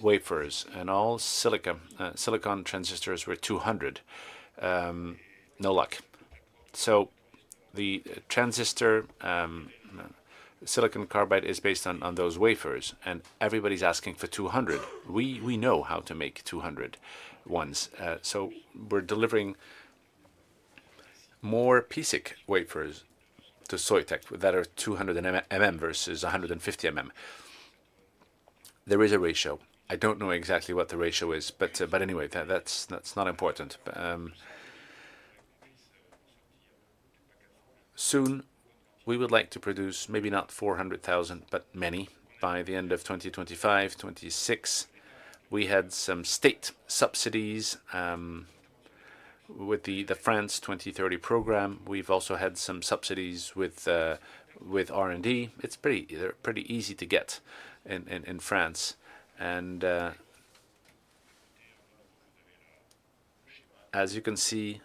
wafers, and all silicon transistors were 200. No luck. So the transistor, silicon carbide is based on those wafers, and everybody's asking for 200. We, we know how to make 200 ones, so we're delivering more p-SiC wafers to Soitec that are 200 mm versus 150 mm. There is a ratio. I don't know exactly what the ratio is, but, but anyway, that's, that's not important. But, soon we would like to produce maybe not 400,000, but many by the end of 2025, 2026. We had some state subsidies, with the, the France 2030 program. We've also had some subsidies with, with R&D. It's pretty... They're pretty easy to get in, in, in France. And, as you can see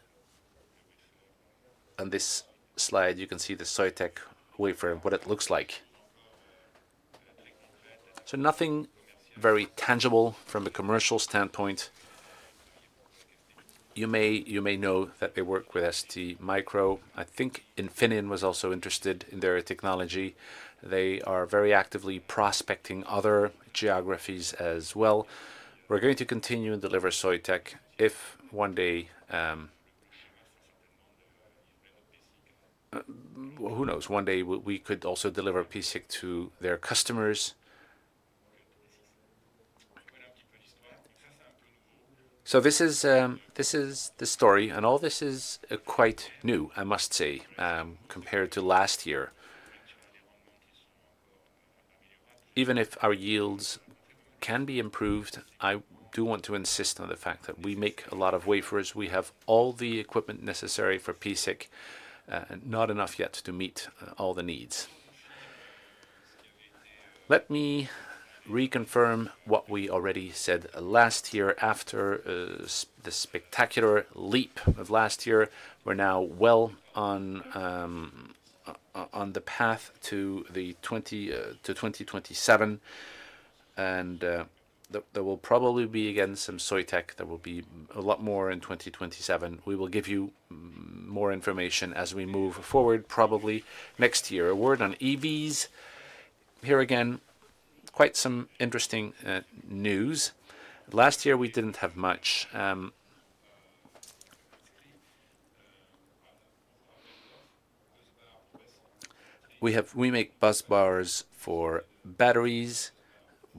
on this slide, you can see the Soitec wafer, what it looks like. So nothing very tangible from a commercial standpoint. You may, you may know that they work with STMicroelectronics. I think Infineon was also interested in their technology. They are very actively prospecting other geographies as well. We're going to continue and deliver Soitec if one day, who knows? One day, we could also deliver p-SiC to their customers. So this is the story, and all this is quite new, I must say, compared to last year. Even if our yields can be improved, I do want to insist on the fact that we make a lot of wafers. We have all the equipment necessary for p-SiC, not enough yet to meet all the needs. Let me reconfirm what we already said last year. After the spectacular leap of last year, we're now well on the path to 2027, and there will probably be, again, some Soitec. There will be a lot more in 2027. We will give you more information as we move forward, probably next year. A word on EVs. Here again, quite some interesting news. Last year, we didn't have much. We make busbars for batteries.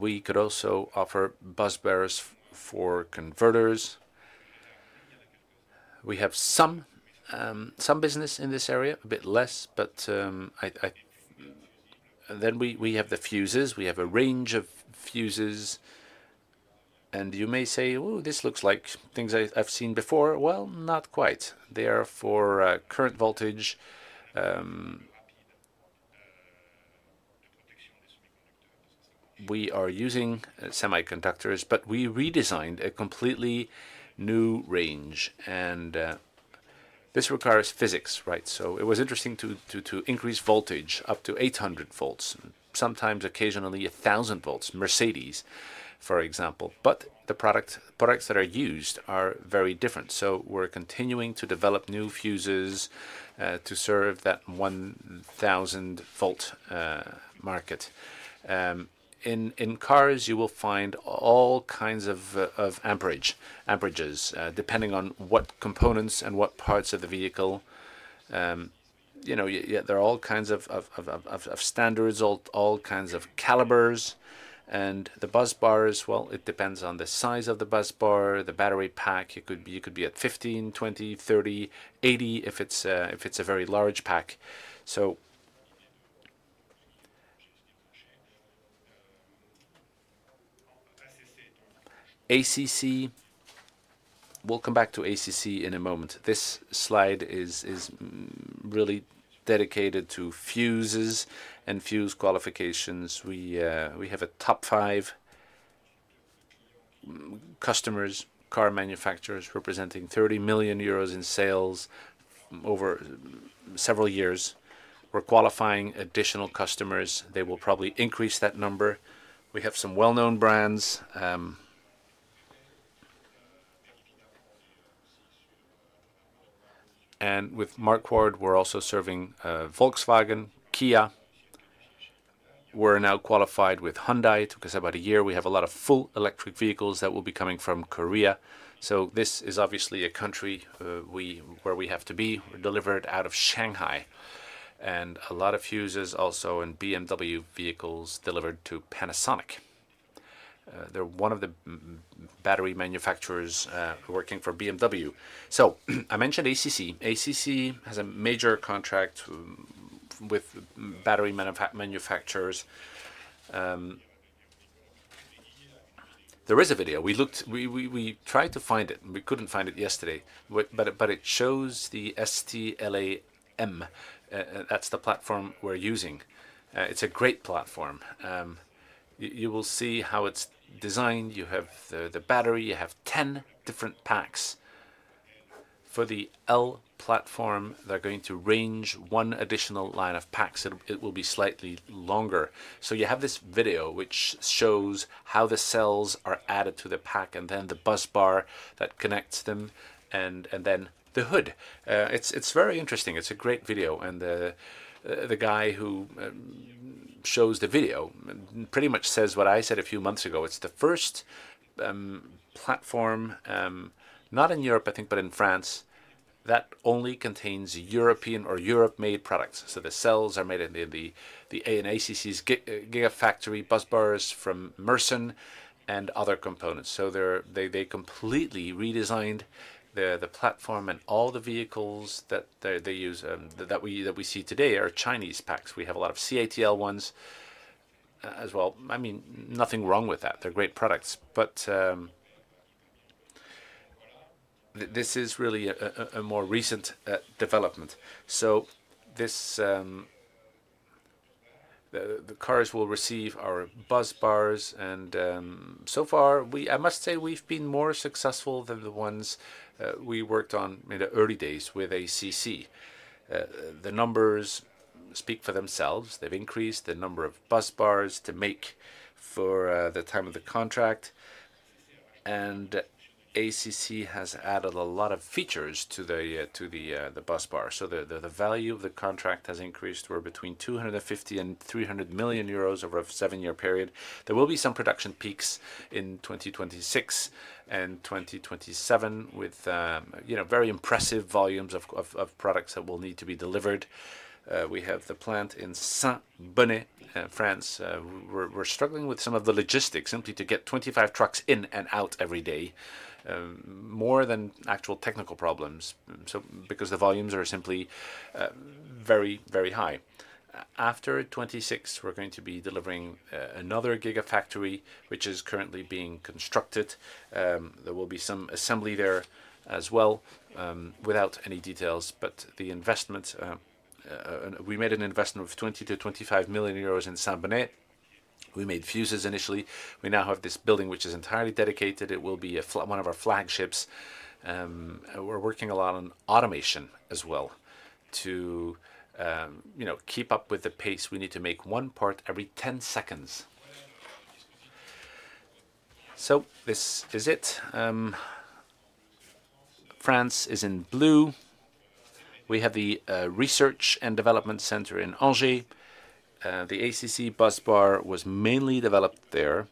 We could also offer busbars for converters. We have some business in this area, a bit less, but I... Then we have the fuses. We have a range of fuses, and you may say, "Ooh, this looks like things I've seen before." Well, not quite. They are for current voltage. We are using semiconductors, but we redesigned a completely new range, and this requires physics, right? So it was interesting to increase voltage up to 800 volts, sometimes occasionally 1000 volts, Mercedes, for example. But the products that are used are very different. So we're continuing to develop new fuses to serve that 1000-volt market. In cars, you will find all kinds of amperage, amperages, depending on what components and what parts of the vehicle. You know, yeah, there are all kinds of standards, all kinds of calibers. And the busbars, well, it depends on the size of the busbar, the battery pack. It could be 15, 20, 30, 80, if it's a very large pack. So... ACC, we'll come back to ACC in a moment. This slide is really dedicated to fuses and fuse qualifications. We have a top five customers, car manufacturers, representing 30 million euros in sales over several years. We're qualifying additional customers. They will probably increase that number. We have some well-known brands. And with Marquardt, we're also serving Volkswagen, Kia. We're now qualified with Hyundai. It took us about a year. We have a lot of full electric vehicles that will be coming from Korea, so this is obviously a country where we have to be, delivered out of Shanghai. And a lot of fuses also in BMW vehicles delivered to Panasonic. They're one of the battery manufacturers working for BMW. So I mentioned ACC. ACC has a major contract with battery manufacturers. There is a video. We looked, we tried to find it, and we couldn't find it yesterday, but it shows the STLA. That's the platform we're using. It's a great platform. You will see how it's designed. You have the battery, you have 10 different packs. For the L platform, they're going to range one additional line of packs, and it will be slightly longer. So you have this video which shows how the cells are added to the pack, and then the busbar that connects them, and then the hood. It's very interesting. It's a great video, and the guy who shows the video pretty much says what I said a few months ago: it's the first platform, not in Europe, I think, but in France, that only contains European or Europe-made products. So the cells are made in the ACC's Gigafactory busbars from Mersen and other components. So they completely redesigned the platform, and all the vehicles that they use that we see today are Chinese packs. We have a lot of CATL ones as well. I mean, nothing wrong with that, they're great products, but this is really a more recent development. So the cars will receive our busbars and so far, I must say, we've been more successful than the ones we worked on in the early days with ACC. The numbers speak for themselves. They've increased the number of busbars to make for the term of the contract, and ACC has added a lot of features to the busbar. So the value of the contract has increased. We're between 250 million and 300 million euros over a 7-year period. There will be some production peaks in 2026 and 2027 with, you know, very impressive volumes of products that will need to be delivered. We have the plant in Saint-Bonnet, France. We're struggling with some of the logistics, simply to get 25 trucks in and out every day, more than actual technical problems, so because the volumes are simply very, very high. After 2026, we're going to be delivering to another gigafactory, which is currently being constructed. There will be some assembly there as well, without any details, but the investment... We made an investment of 20 million to 25 million euros in Saint-Bonnet. We made fuses initially. We now have this building, which is entirely dedicated. It will be one of our flagships. We're working a lot on automation as well to, you know, keep up with the pace. We need to make one part every 10 seconds. So this is it. France is in blue. We have the research and development center in Angers. The ACC busbar was mainly developed there,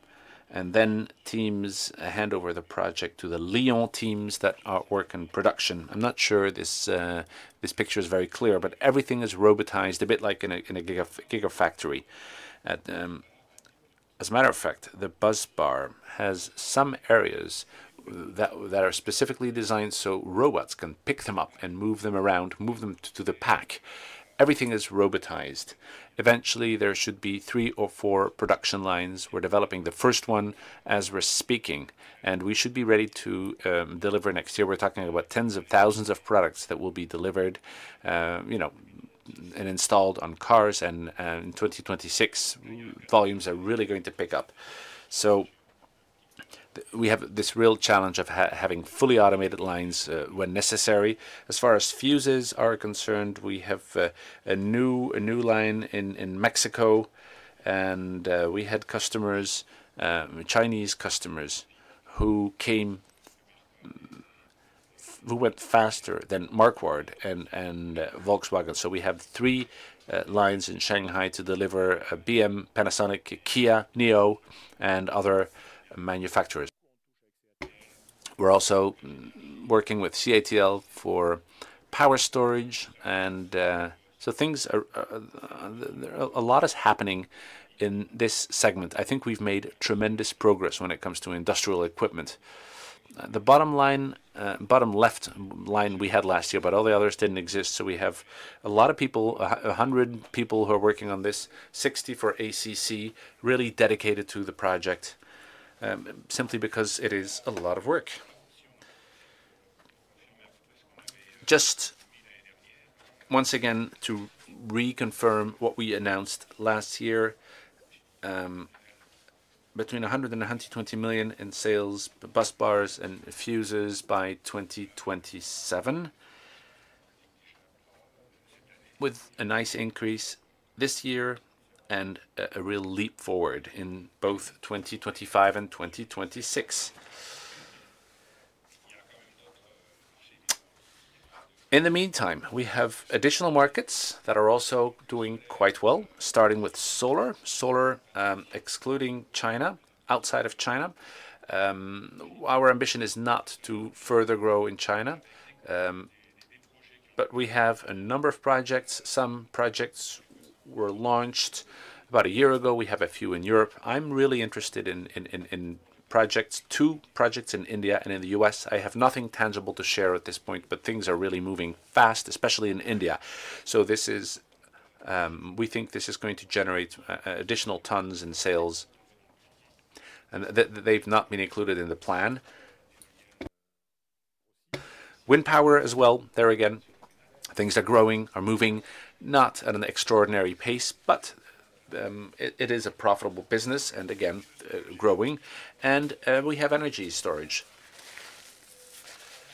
and then teams hand over the project to the Lyon teams that are working in production. I'm not sure this picture is very clear, but everything is robotized, a bit like in a gigafactory. As a matter of fact, the busbar has some areas that are specifically designed so robots can pick them up and move them around, move them to the pack. Everything is robotized. Eventually, there should be three or four production lines. We're developing the first one as we're speaking, and we should be ready to deliver next year. We're talking about tens of thousands of products that will be delivered, you know, and installed on cars, and in 2026, volumes are really going to pick up. So we have this real challenge of having fully automated lines when necessary. As far as fuses are concerned, we have a new line in Mexico, and we had customers, Chinese customers, who went faster than Marquardt and Volkswagen. So we have three lines in Shanghai to deliver BMW, Panasonic, Kia, Nio, and other manufacturers. We're also working with CATL for power storage and so things are. A lot is happening in this segment. I think we've made tremendous progress when it comes to industrial equipment. The bottom line, bottom left line we had last year, but all the others didn't exist, so we have a lot of people, 100 people who are working on this, 60 for ACC, really dedicated to the project, simply because it is a lot of work. Just once again, to reconfirm what we announced last year, between 100 million and 120 million in sales, busbars, and fuses by 2027, with a nice increase this year and a real leap forward in both 2025 and 2026. In the meantime, we have additional markets that are also doing quite well, starting with solar. Solar, excluding China, outside of China. Our ambition is not to further grow in China, but we have a number of projects. Some projects were launched about a year ago. We have a few in Europe. I'm really interested in two projects in India and in the US. I have nothing tangible to share at this point, but things are really moving fast, especially in India. So this is, we think this is going to generate additional tons in sales, and they, they've not been included in the plan. Wind power as well, there again, things are growing, are moving, not at an extraordinary pace, but it is a profitable business and again, growing. We have energy storage.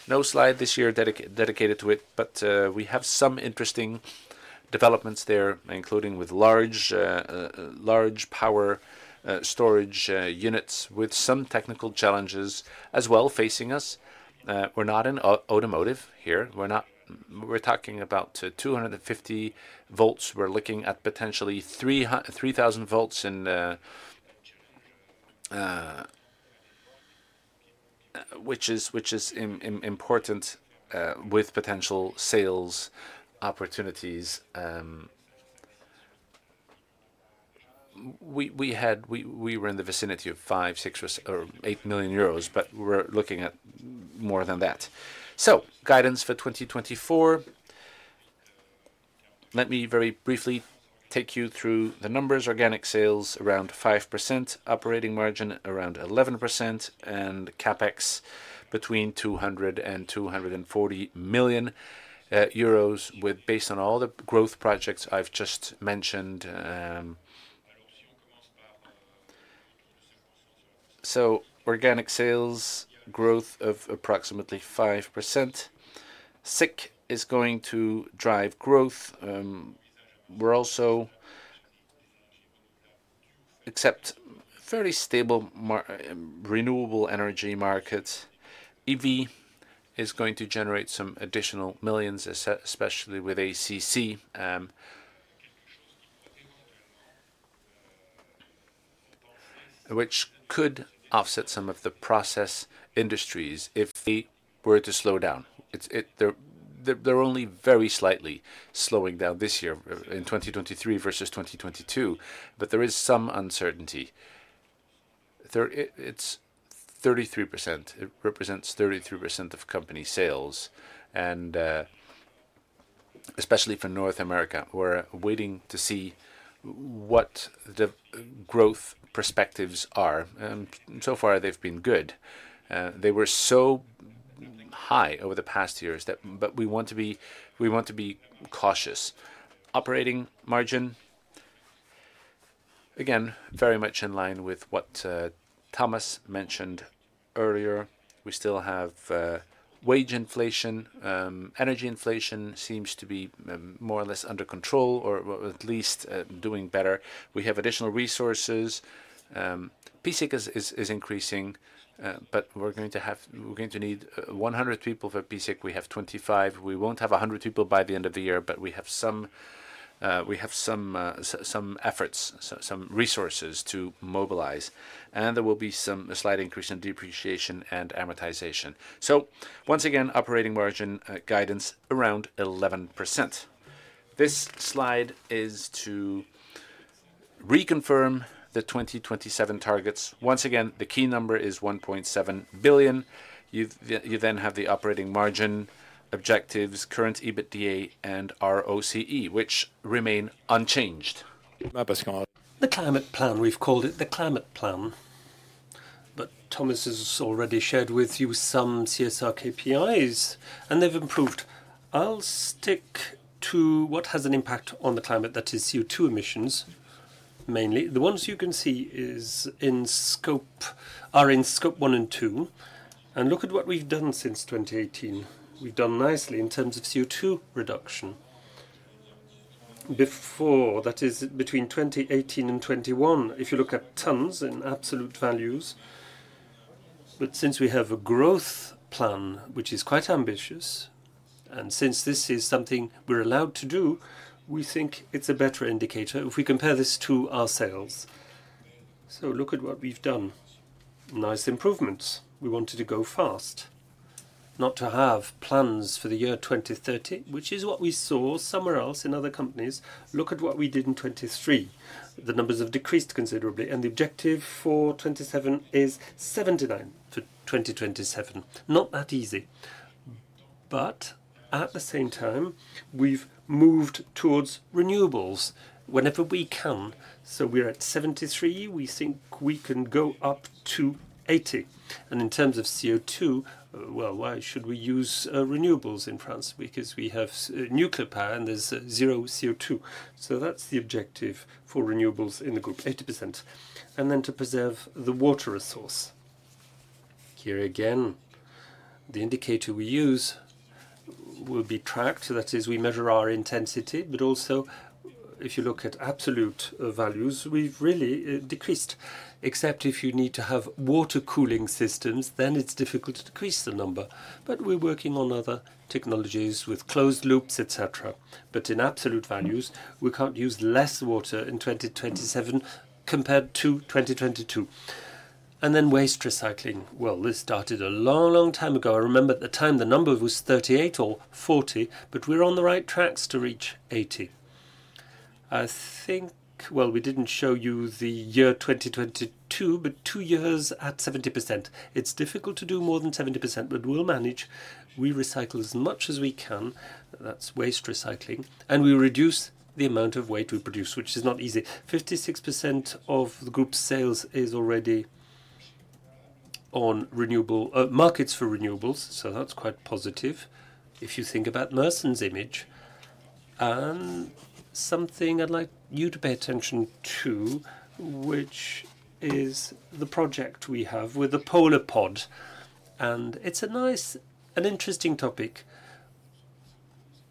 No slide this year dedicated to it, but we have some interesting developments there, including with large power storage units, with some technical challenges as well facing us. We're not in automotive here. We're not. We're talking about 250 volts. We're looking at potentially 3,000 volts in. Which is important with potential sales opportunities. We had, we were in the vicinity of 5, 6 or 8 million euros, but we're looking at more than that. So guidance for 2024. Let me very briefly take you through the numbers. Organic sales around 5%, operating margin around 11%, and CapEx between 200-240 million euros, with based on all the growth projects I've just mentioned. So organic sales growth of approximately 5%. SiC is going to drive growth. We're also expecting very stable renewable energy markets. EV is going to generate some additional millions, especially with ACC, which could offset some of the process industries if they were to slow down. They're only very slightly slowing down this year, in 2023 versus 2022, but there is some uncertainty. It's 33%. It represents 33% of company sales, and especially for North America, we're waiting to see what the growth perspectives are, and so far they've been good. They were so high over the past years that... But we want to be, we want to be cautious. Operating margin, again, very much in line with what Thomas mentioned earlier. We still have wage inflation, energy inflation seems to be more or less under control, or at least doing better. We have additional resources. p-SiC is increasing, but we're going to need 100 people for p-SiC. We have 25. We won't have 100 people by the end of the year, but we have some efforts, so some resources to mobilize, and there will be a slight increase in depreciation and amortization. So once again, operating margin guidance around 11%. This slide is to reconfirm the 2027 targets. Once again, the key number is 1.7 billion. You then have the operating margin objectives, current EBITDA and ROCE, which remain unchanged. The climate plan, we've called it the climate plan, but Thomas has already shared with you some CSR KPIs, and they've improved. I'll stick to what has an impact on the climate, that is CO2 emissions, mainly. The ones you can see are in scope 1 and 2, and look at what we've done since 2018. We've done nicely in terms of CO2 reduction. Before, that is, between 2018 and 2021, if you look at tons and absolute values, but since we have a growth plan, which is quite ambitious, and since this is something we're allowed to do, we think it's a better indicator if we compare this to our sales. So look at what we've done. Nice improvements. We wanted to go fast, not to have plans for the year 2030, which is what we saw somewhere else in other companies. Look at what we did in 2023. The numbers have decreased considerably, and the objective for 2027 is 79 to 2027. Not that easy, but at the same time, we've moved towards renewables whenever we can. So we're at 73. We think we can go up to 80. And in terms of CO2, well, why should we use renewables in France? Because we have nuclear power, and there's zero CO2. So that's the objective for renewables in the group, 80%. And then to preserve the water resource. Here again, the indicator we use will be tracked, so that is we measure our intensity, but also, if you look at absolute values, we've really decreased. Except if you need to have water cooling systems, then it's difficult to decrease the number. But we're working on other technologies with closed loops, et cetera. But in absolute values, we can't use less water in 2027 compared to 2022. And then waste recycling. Well, this started a long, long time ago. I remember at the time the number was 38 or 40, but we're on the right tracks to reach 80. I think, well, we didn't show you the year 2022, but two years at 70%. It's difficult to do more than 70%, but we'll manage. We recycle as much as we can, that's waste recycling, and we reduce the amount of waste we produce, which is not easy. 56% of the group's sales is already on renewable markets for renewables, so that's quite positive if you think about Mersen's image. And something I'd like you to pay attention to, which is the project we have with the Polar Pod. And it's a nice, an interesting topic.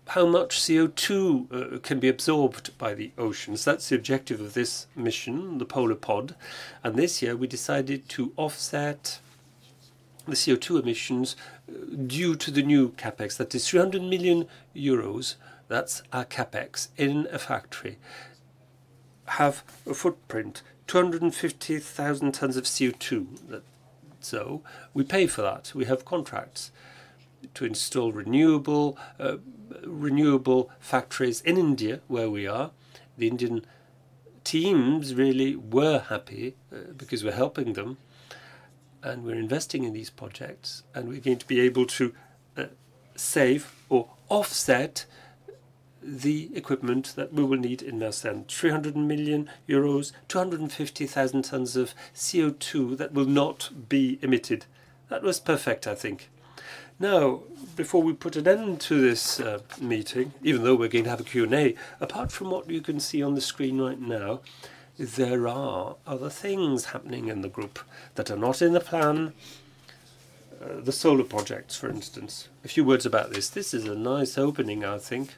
How much CO2 can be absorbed by the oceans? That's the objective of this mission, the Polar Pod. And this year, we decided to offset the CO2 emissions due to the new CapEx. That is 300 million euros, that's our CapEx in a factory, have a footprint, 250,000 tons of CO2. So we pay for that. We have contracts to install renewable, renewable factories in India, where we are. The Indian teams really were happy because we're helping them, and we're investing in these projects, and we're going to be able to save or offset the equipment that we will need in Mersen. 300 million euros, 250,000 tons of CO2 that will not be emitted. That was perfect, I think. Now, before we put an end to this, meeting, even though we're going to have a Q&A, apart from what you can see on the screen right now, there are other things happening in the group that are not in the plan. The solar projects, for instance. A few words about this. This is a nice opening, I think.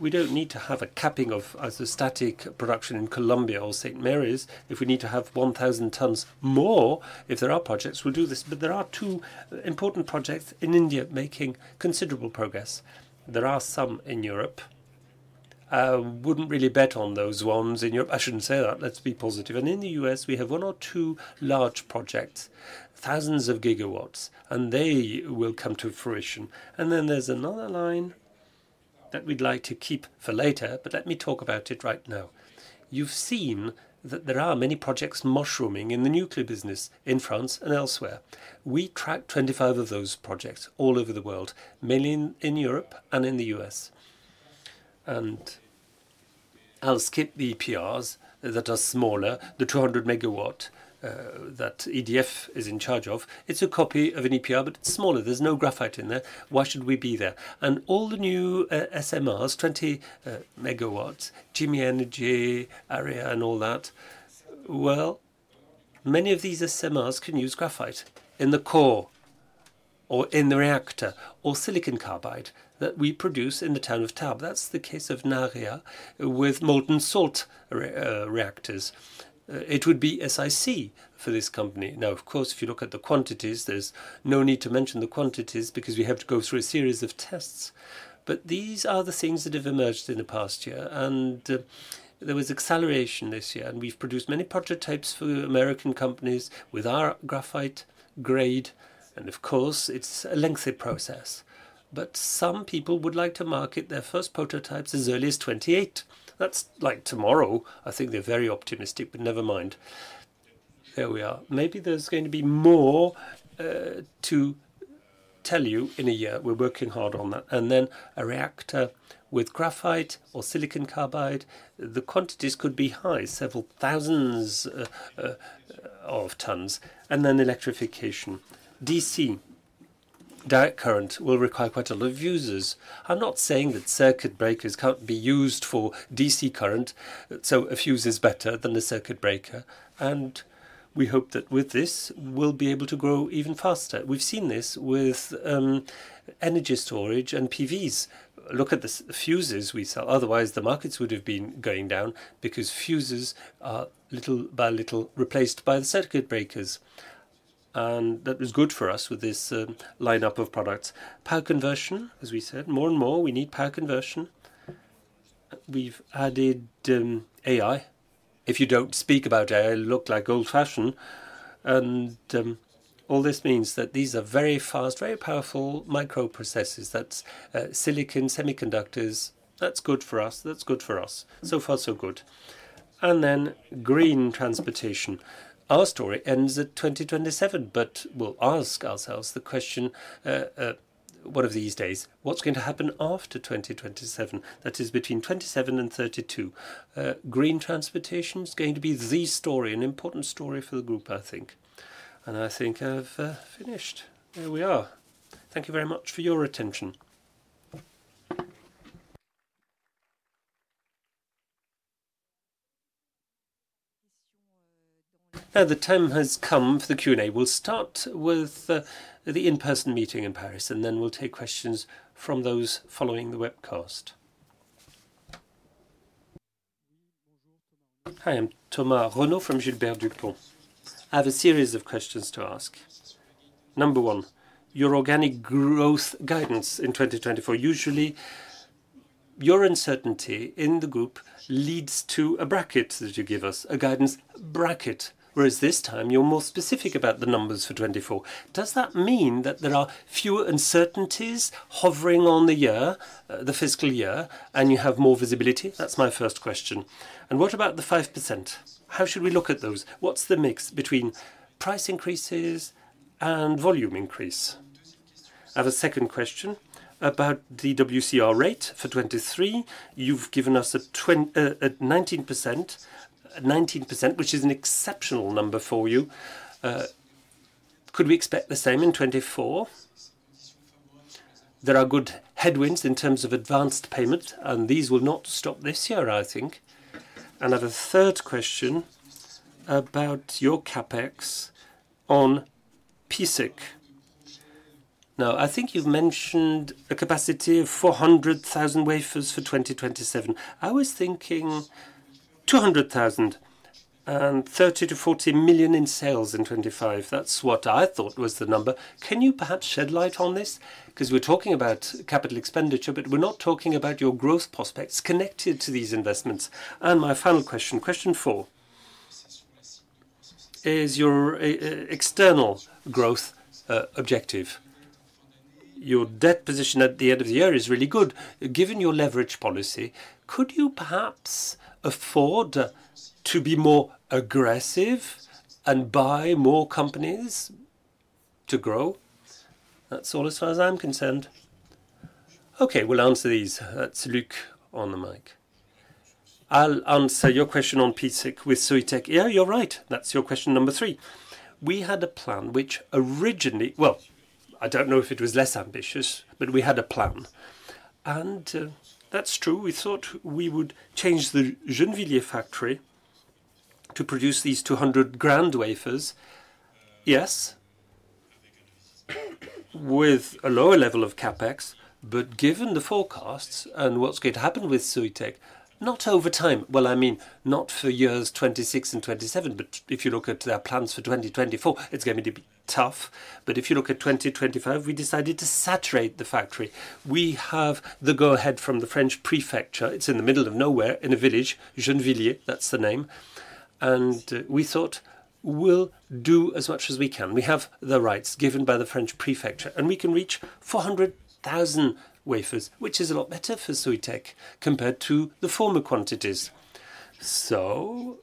We don't need to have a capping of as a static production in Columbia or St. Marys. If we need to have 1,000 tons more, if there are projects, we'll do this. But there are two important projects in India making considerable progress. There are some in Europe. I wouldn't really bet on those ones in Europe. I shouldn't say that. Let's be positive. And in the U.S., we have one or two large projects, thousands of gigawatts, and they will come to fruition. Then there's another line that we'd like to keep for later, but let me talk about it right now. You've seen that there are many projects mushrooming in the nuclear business in France and elsewhere. We tracked 25 of those projects all over the world, mainly in Europe and in the U.S. I'll skip the EPRs that are smaller, the 200-megawatt that EDF is in charge of. It's a copy of an EPR, but it's smaller. There's no graphite in there. Why should we be there? And all the new SMRs, 20 megawatts, Jimmy Energy, Aria, and all that, well, many of these SMRs can use graphite in the core or in the reactor, or silicon carbide that we produce in the Tarbes. That's the case of Naarea with molten salt reactors. It would be SiC for this company. Now, of course, if you look at the quantities, there's no need to mention the quantities because we have to go through a series of tests. But these are the things that have emerged in the past year, and there was acceleration this year, and we've produced many prototypes for the American companies with our graphite grade. And of course, it's a lengthy process, but some people would like to market their first prototypes as early as 2028. That's like tomorrow. I think they're very optimistic, but never mind. There we are. Maybe there's going to be more to tell you in a year. We're working hard on that. And then a reactor with graphite or silicon carbide, the quantities could be high, several thousands of tons. And then electrification. DC, direct current, will require quite a lot of fuses. I'm not saying that circuit breakers can't be used for DC current, so a fuse is better than a circuit breaker, and we hope that with this, we'll be able to grow even faster. We've seen this with energy storage and PVs. Look at the SiC fuses we sell. Otherwise, the markets would have been going down because fuses are little by little replaced by the circuit breakers, and that was good for us with this lineup of products. Power conversion, as we said, more and more, we need power conversion. We've added AI. If you don't speak about AI, look like old-fashioned. And all this means that these are very fast, very powerful microprocessors. That's silicon semiconductors. That's good for us. That's good for us. So far, so good. And then green transportation. Our story ends at 2027, but we'll ask ourselves the question, one of these days, what's going to happen after 2027? That is, between 2027 and 2032. Green transportation is going to be the story, an important story for the group, I think. And I think I've finished. There we are. Thank you very much for your attention. Now, the time has come for the Q&A. We'll start with the in-person meeting in Paris, and then we'll take questions from those following the webcast. Hi, I'm Tamar Renault from Gilbert Dupont. I have a series of questions to ask. Number 1, your organic growth guidance in 2024, usually, your uncertainty in the group leads to a bracket that you give us, a guidance bracket. Whereas this time, you're more specific about the numbers for 2024. Does that mean that there are fewer uncertainties hovering on the year, the fiscal year, and you have more visibility? That's my first question. And what about the 5%? How should we look at those? What's the mix between price increases and volume increase? I have a second question about the WCR rate for 2023. You've given us a 19%. 19%, which is an exceptional number for you. Could we expect the same in 2024? There are good headwinds in terms of advanced payment, and these will not stop this year, I think. Another third question about your CapEx on p-SiC. Now, I think you've mentioned a capacity of 400,000 wafers for 2027. I was thinking 200,000 and 30 million-40 million in sales in 2025. That's what I thought was the number. Can you perhaps shed light on this? 'Cause we're talking about capital expenditure, but we're not talking about your growth prospects connected to these investments. My final question, question four, is your external growth objective. Your debt position at the end of the year is really good. Given your leverage policy, could you perhaps afford to be more aggressive and buy more companies to grow? That's all as far as I'm concerned. Okay, we'll answer these. That's Luc on the mic. I'll answer your question on p-SiC with Soitec. Yeah, you're right. That's your question number three. We had a plan which originally... Well, I don't know if it was less ambitious, but we had a plan, and that's true. We thought we would change the Gennevilliers factory to produce these 200,000 wafers. Yes, with a lower level of CapEx, but given the forecasts and what's going to happen with Soitec, not over time. Well, I mean, not for years 26 and 27, but if you look at their plans for 2024, it's going to be tough. But if you look at 2025, we decided to saturate the factory. We have the go-ahead from the French prefecture. It's in the middle of nowhere, in a village, Gennevilliers, that's the name. And we thought, "We'll do as much as we can." We have the rights given by the French prefecture, and we can reach 400,000 wafers, which is a lot better for Soitec compared to the former quantities. So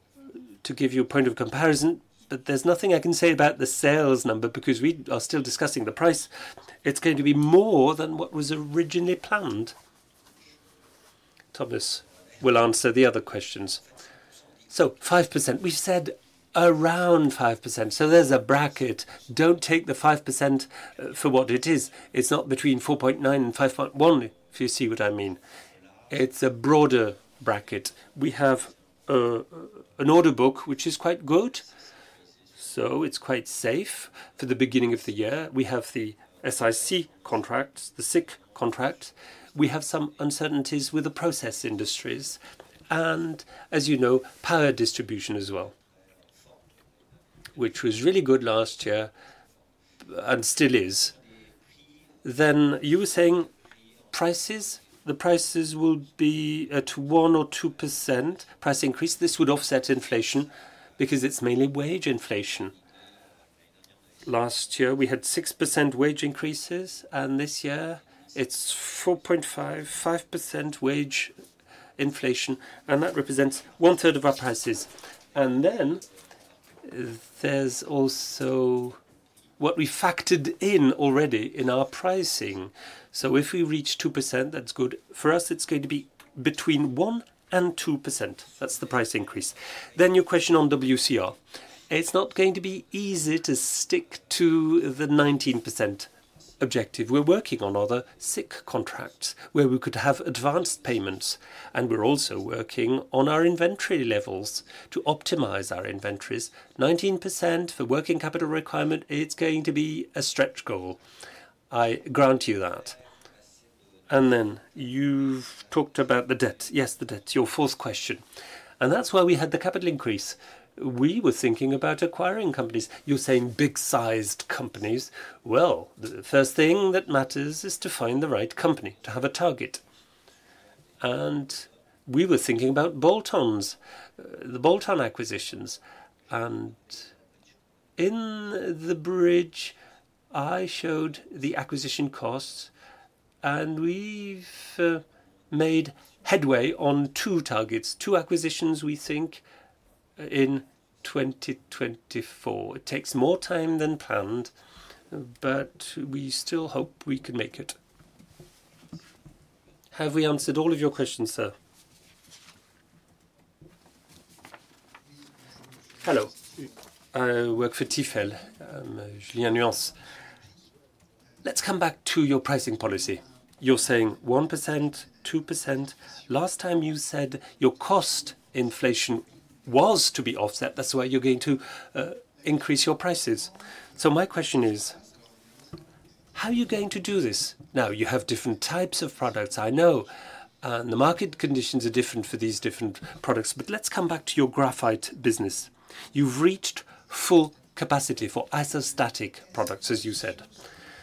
to give you a point of comparison, but there's nothing I can say about the sales number because we are still discussing the price. It's going to be more than what was originally planned. Thomas will answer the other questions. So 5%, we said around 5%, so there's a bracket. Don't take the 5% for what it is. It's not between 4.9 and 5.1, if you see what I mean. It's a broader bracket. We have an order book, which is quite good, so it's quite safe for the beginning of the year. We have the SiC contracts, the SiC contract. We have some uncertainties with the process industries and, as you know, power distribution as well, which was really good last year and still is. Then you were saying prices? The prices will be at 1% or 2% price increase. This would offset inflation because it's mainly wage inflation. Last year, we had 6% wage increases, and this year it's 4.5-5% wage inflation, and that represents one third of our prices. Then there's also what we factored in already in our pricing. So if we reach 2%, that's good. For us, it's going to be between 1% and 2%. That's the price increase. Then your question on WCR. It's not going to be easy to stick to the 19% objective. We're working on other SiC contracts where we could have advanced payments, and we're also working on our inventory levels to optimize our inventories. 19% for working capital requirement, it's going to be a stretch goal. I grant you that. Then you've talked about the debt. Yes, the debt, your fourth question, and that's why we had the capital increase. We were thinking about acquiring companies. You're saying big-sized companies. Well, the first thing that matters is to find the right company, to have a target, and we were thinking about bolt-on, the Bolton acquisitions. And in the bridge, I showed the acquisition costs, and we've made headway on two targets, two acquisitions, we think, in 2024. It takes more time than planned, but we still hope we can make it. Have we answered all of your questions, sir? Hello. I work for Stifel. Julien Onilon. Let's come back to your pricing policy. You're saying 1%, 2%. Last time, you said your cost inflation was to be offset. That's why you're going to increase your prices. So my question is: How are you going to do this? Now, you have different types of products, I know, and the market conditions are different for these different products, but let's come back to your graphite business. You've reached full capacity for isostatic products, as you said.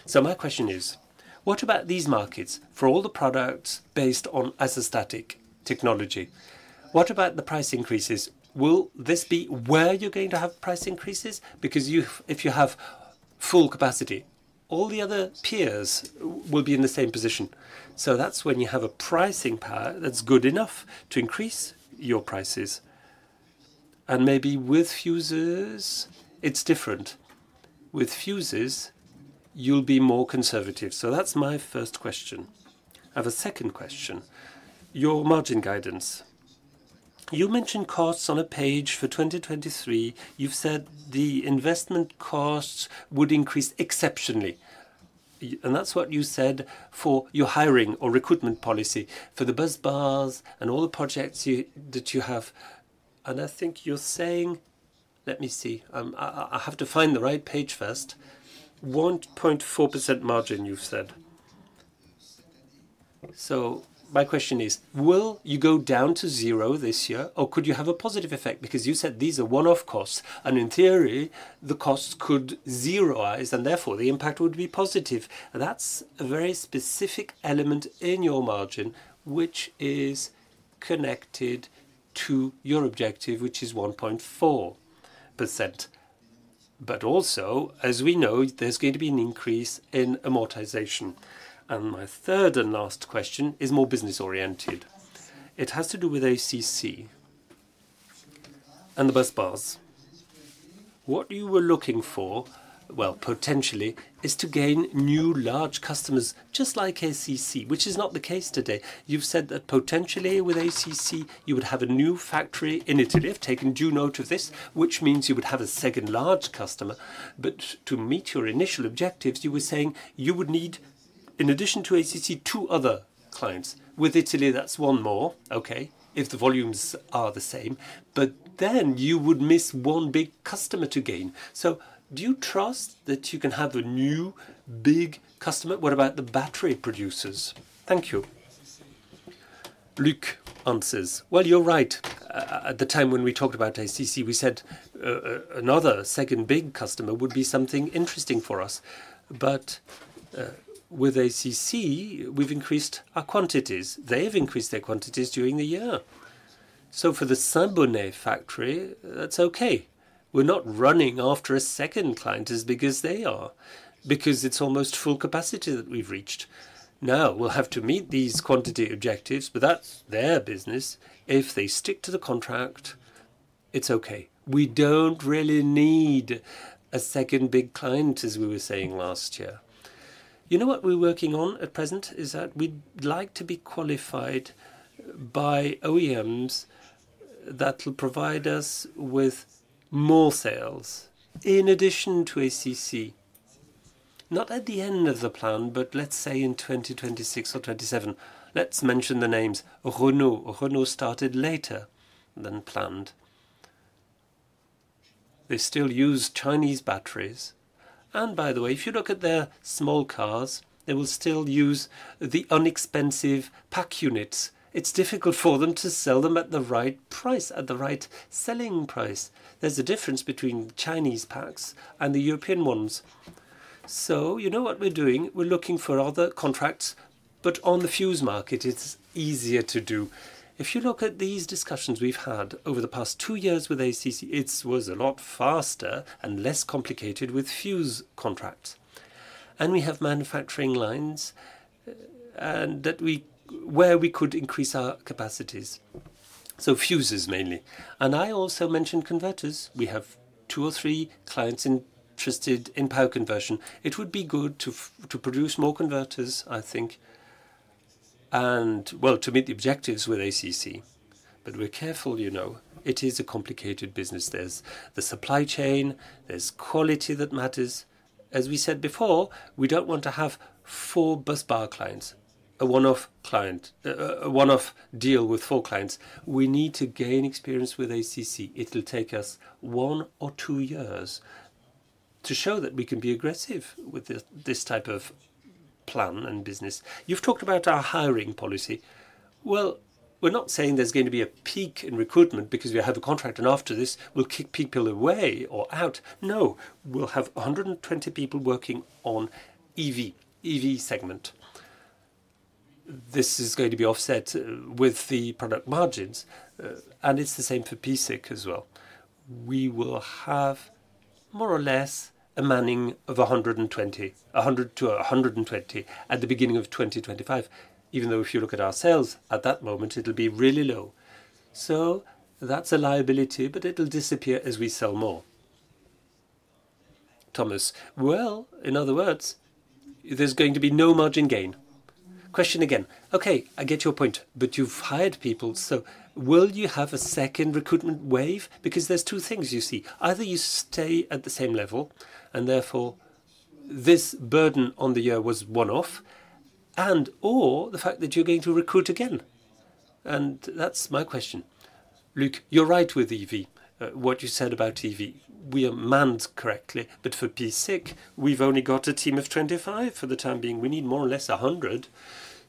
So my question is: What about these markets for all the products based on isostatic technology? What about the price increases? Will this be where you're going to have price increases? Because if you have full capacity, all the other peers will be in the same position. So that's when you have a pricing power that's good enough to increase your prices. And maybe with fuses, it's different. With fuses, you'll be more conservative. So that's my first question. I have a second question: your margin guidance. You mentioned costs on a page for 2023. You've said the investment costs would increase exceptionally, and that's what you said for your hiring or recruitment policy, for the busbars and all the projects you, that you have. And I think you're saying... Let me see. I have to find the right page first. "1.4% margin," you've said. So my question is, will you go down to zero this year, or could you have a positive effect? Because you said these are one-off costs, and in theory, the costs could zeroize, and therefore, the impact would be positive. And that's a very specific element in your margin, which is connected to your objective, which is 1.4%. But also, as we know, there's going to be an increase in amortization. And my third and last question is more business-oriented. It has to do with ACC and the busbars. What you were looking for, well, potentially, is to gain new large customers, just like ACC, which is not the case today. You've said that potentially with ACC, you would have a new factory in Italy. I've taken due note of this, which means you would have a second large customer. But to meet your initial objectives, you were saying you would need, in addition to ACC, two other clients. With Italy, that's one more, okay, if the volumes are the same, but then you would miss one big customer to gain. So do you trust that you can have a new, big customer? What about the battery producers? Thank you. Well, you're right. At the time when we talked about ACC, we said, another second big customer would be something interesting for us. But, with ACC, we've increased our quantities. They've increased their quantities during the year. So for the Saint-Bonnet factory, that's okay. We're not running after a second client as big as they are because it's almost full capacity that we've reached. Now, we'll have to meet these quantity objectives, but that's their business. If they stick to the contract, it's okay. We don't really need a second big client, as we were saying last year. You know, what we're working on at present is that we'd like to be qualified by OEMs that will provide us with more sales in addition to ACC. Not at the end of the plan, but let's say in 2026 or 2027. Let's mention the names. Renault. Renault started later than planned. They still use Chinese batteries, and by the way, if you look at their small cars, they will still use the inexpensive pack units. It's difficult for them to sell them at the right price, at the right selling price. There's a difference between Chinese packs and the European ones. So you know what we're doing? We're looking for other contracts, but on the fuse market, it's easier to do. If you look at these discussions we've had over the past two years with ACC, it was a lot faster and less complicated with fuse contracts. And we have manufacturing lines where we could increase our capacities, so fuses mainly. And I also mentioned converters. We have two or three clients interested in power conversion. It would be good to produce more converters, I think, and well, to meet the objectives with ACC. But we're careful, you know. It is a complicated business. There's the supply chain. There's quality that matters. As we said before, we don't want to have four busbar clients, a one-off client... a one-off deal with four clients. We need to gain experience with ACC. It'll take us one or two years to show that we can be aggressive with this type of plan and business. You've talked about our hiring policy. Well, we're not saying there's going to be a peak in recruitment because we have a contract, and after this, we'll kick people away or out. No, we'll have 120 people working on EV, EV segment. This is going to be offset with the product margins, and it's the same for p-SiC as well. We will have more or less a manning of 120, 100-120 at the beginning of 2025, even though if you look at our sales at that moment, it'll be really low. So that's a liability, but it'll disappear as we sell more. Thomas: Well, in other words, there's going to be no margin gain. Question again. Okay, I get your point, but you've hired people, so will you have a second recruitment wave? Because there's two things, you see. Either you stay at the same level, and therefore, this burden on the year was one-off, and/or the fact that you're going to recruit again, and that's my question. Luc, you're right with EV, what you said about EV. We are manned correctly, but for p-SiC, we've only got a team of 25 for the time being. We need more or less 100.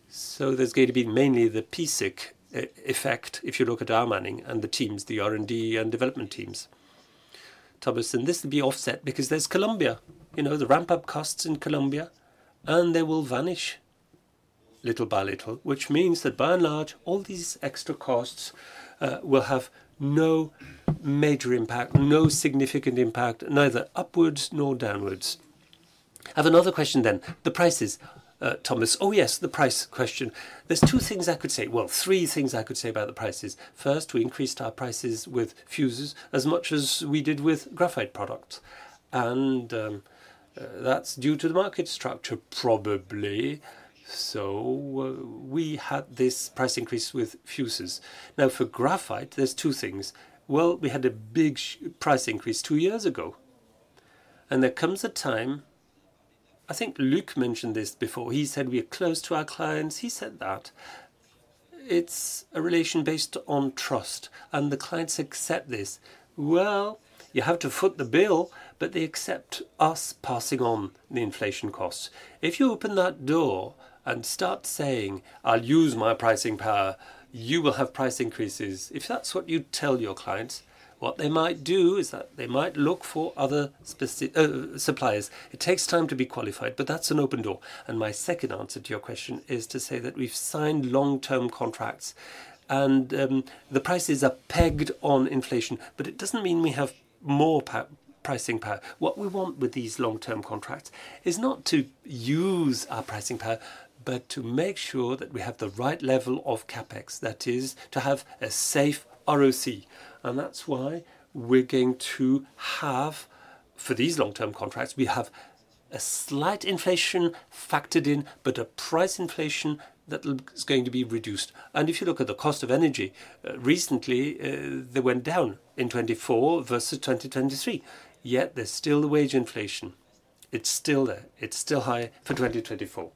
So there's going to be mainly the p-SiC effect if you look at our manning and the teams, the R&D and development teams. Thomas, and this will be offset because there's Columbia. You know, the ramp-up costs in Columbia, and they will vanish little by little, which means that by and large, all these extra costs will have no major impact, no significant impact, neither upwards nor downwards. I have another question then. The prices, Thomas? Oh, yes, the price question. There's two things I could say, well, three things I could say about the prices. First, we increased our prices with fuses as much as we did with graphite products, and, that's due to the market structure, probably. So, we had this price increase with fuses. Now, for graphite, there's two things. Well, we had a big price increase two years ago, and there comes a time... I think Luc mentioned this before. He said, "We are close to our clients." He said that. It's a relation based on trust, and the clients accept this. Well, you have to foot the bill, but they accept us passing on the inflation costs. If you open that door and start saying, "I'll use my pricing power, you will have price increases," if that's what you tell your clients, what they might do is that they might look for other specific suppliers. It takes time to be qualified, but that's an open door. And my second answer to your question is to say that we've signed long-term contracts, and, the prices are pegged on inflation, but it doesn't mean we have more pricing power. What we want with these long-term contracts is not to use our pricing power, but to make sure that we have the right level of CapEx, that is, to have a safe ROC. And that's why we're going to have, for these long-term contracts, we have a slight inflation factored in, but a price inflation that is going to be reduced. And if you look at the cost of energy, recently, they went down in 2024 versus 2023, yet there's still the wage inflation. It's still there. It's still high for 2024.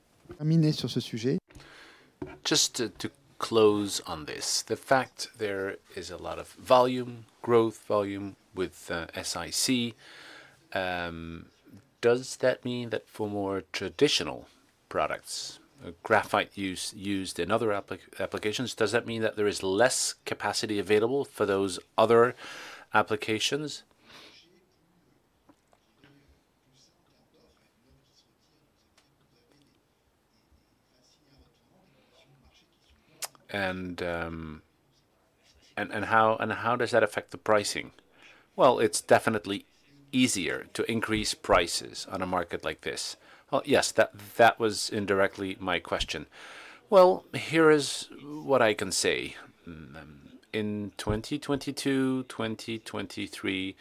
Just to close on this, the fact there is a lot of volume, growth volume with SiC, does that mean that for more traditional products, graphite used in other applications, does that mean that there is less capacity available for those other applications? And how does that affect the pricing? Well, it's definitely easier to increase prices on a market like this. Well, yes, that, that was indirectly my question. Well, here is what I can say. In 2022, 2023,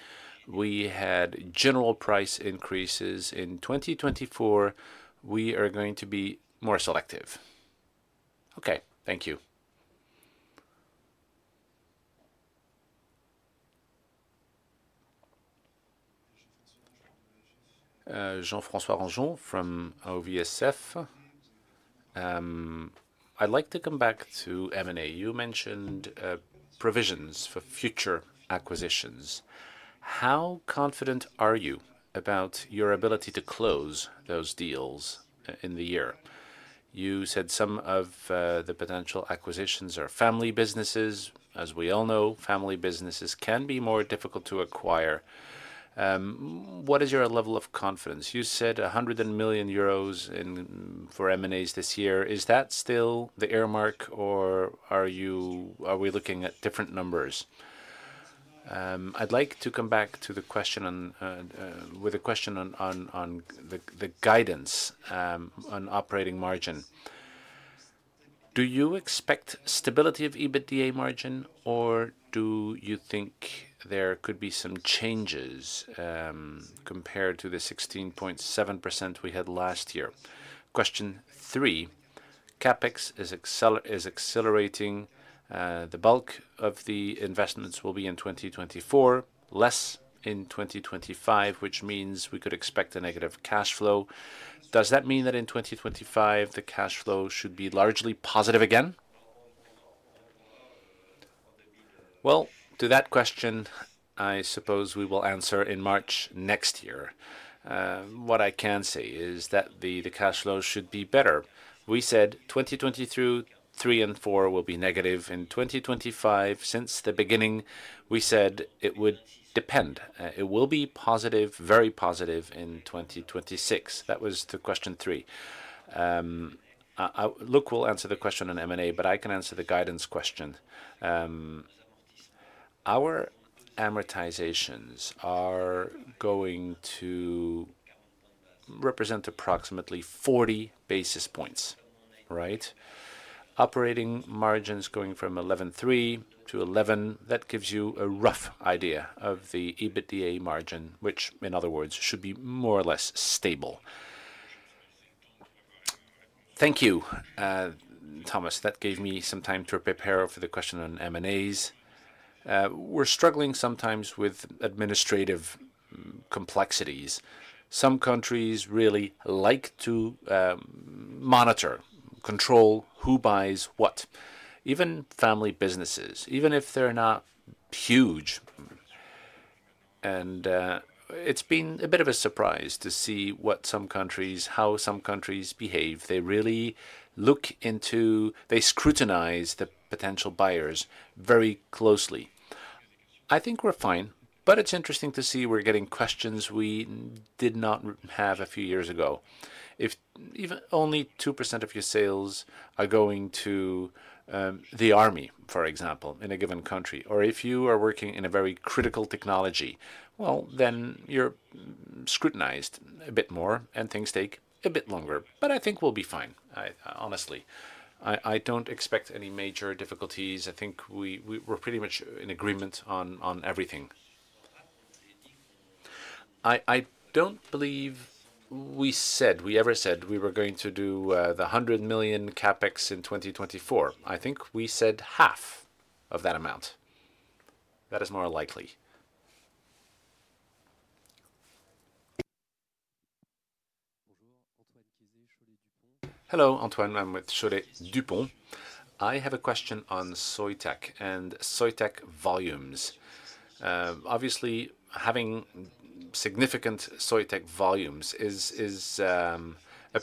we had general price increases. In 2024, we are going to be more selective. Okay. Thank you. Jean-François Granjon from ODDO BHF. I'd like to come back to M&A. You mentioned provisions for future acquisitions. How confident are you about your ability to close those deals in the year? You said some of the potential acquisitions are family businesses. As we all know, family businesses can be more difficult to acquire. What is your level of confidence? You said 100 million euros for M&As this year. Is that still the earmark, or are we looking at different numbers? I'd like to come back to the question with a question on the guidance on operating margin. Do you expect stability of EBITDA margin, or do you think there could be some changes compared to the 16.7% we had last year? Question three, CapEx is accelerating. The bulk of the investments will be in 2024, less in 2025, which means we could expect a negative cash flow. Does that mean that in 2025, the cash flow should be largely positive again? Well, to that question, I suppose we will answer in March next year. What I can say is that the cash flow should be better. We said 2022, 2023, and 2024 will be negative. In 2025, since the beginning, we said it would depend. It will be positive, very positive, in 2026. That was to question three. Luc will answer the question on M&A, but I can answer the guidance question. Our amortizations are going to represent approximately 40 basis points, right? Operating margins going from 11.3% to 11%, that gives you a rough idea of the EBITDA margin, which in other words, should be more or less stable. Thank you, Thomas. That gave me some time to prepare for the question on M&As. We're struggling sometimes with administrative complexities. Some countries really like to monitor, control who buys what. Even family businesses, even if they're not huge. It's been a bit of a surprise to see what some countries, how some countries behave. They really look into. They scrutinize the potential buyers very closely. I think we're fine, but it's interesting to see we're getting questions we did not have a few years ago. If even only 2% of your sales are going to the army, for example, in a given country, or if you are working in a very critical technology, well, then you're scrutinized a bit more, and things take a bit longer. But I think we'll be fine. I, honestly, I, I don't expect any major difficulties. I think we're pretty much in agreement on everything. I don't believe we ever said we were going to do 100 million CapEx in 2024. I think we said half of that amount. That is more likely. Hello, Antoine. I'm with Gilbert Dupont. I have a question on Soitec and Soitec volumes. Obviously, having significant Soitec volumes is a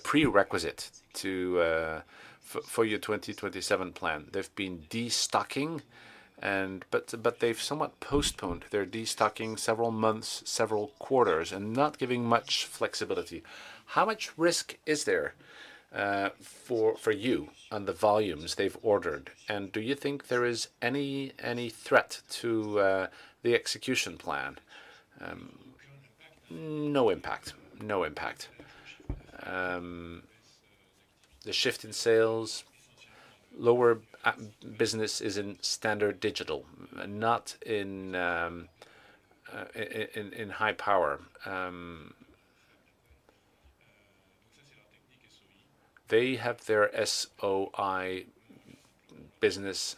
prerequisite to for your 2027 plan. There's been destocking, and they've somewhat postponed their destocking several months, several quarters, and not giving much flexibility. How much risk is there for you on the volumes they've ordered? And do you think there is any threat to the execution plan? No impact. No impact. The shift in sales, lower business is in standard digital and not in high power. They have their SOI business.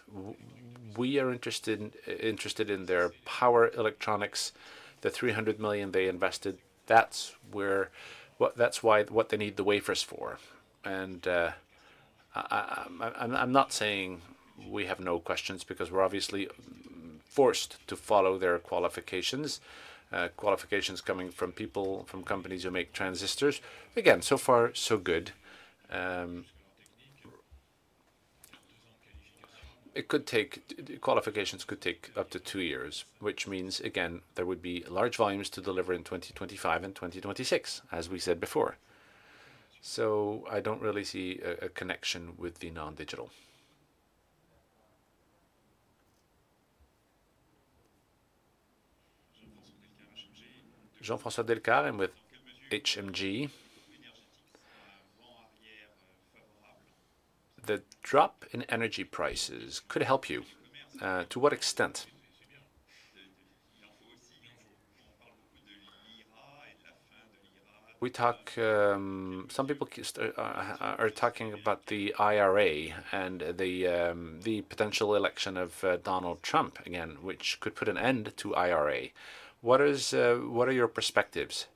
We are interested in their power electronics, the 300 million they invested. That's where... that's why what they need the wafers for. And I'm not saying we have no questions because we're obviously forced to follow their qualifications, qualifications coming from people, from companies who make transistors. Again, so far, so good. It could take... qualifications could take up to 2 years, which means, again, there would be large volumes to deliver in 2025 and 2026, as we said before. So I don't really see a connection with the non-digital. Jean-François Delcaire with HMG Finance. The drop in energy prices could help you. To what extent? We talk... Some people are talking about the IRA and the potential election of Donald Trump again, which could put an end to IRA. What are your perspectives?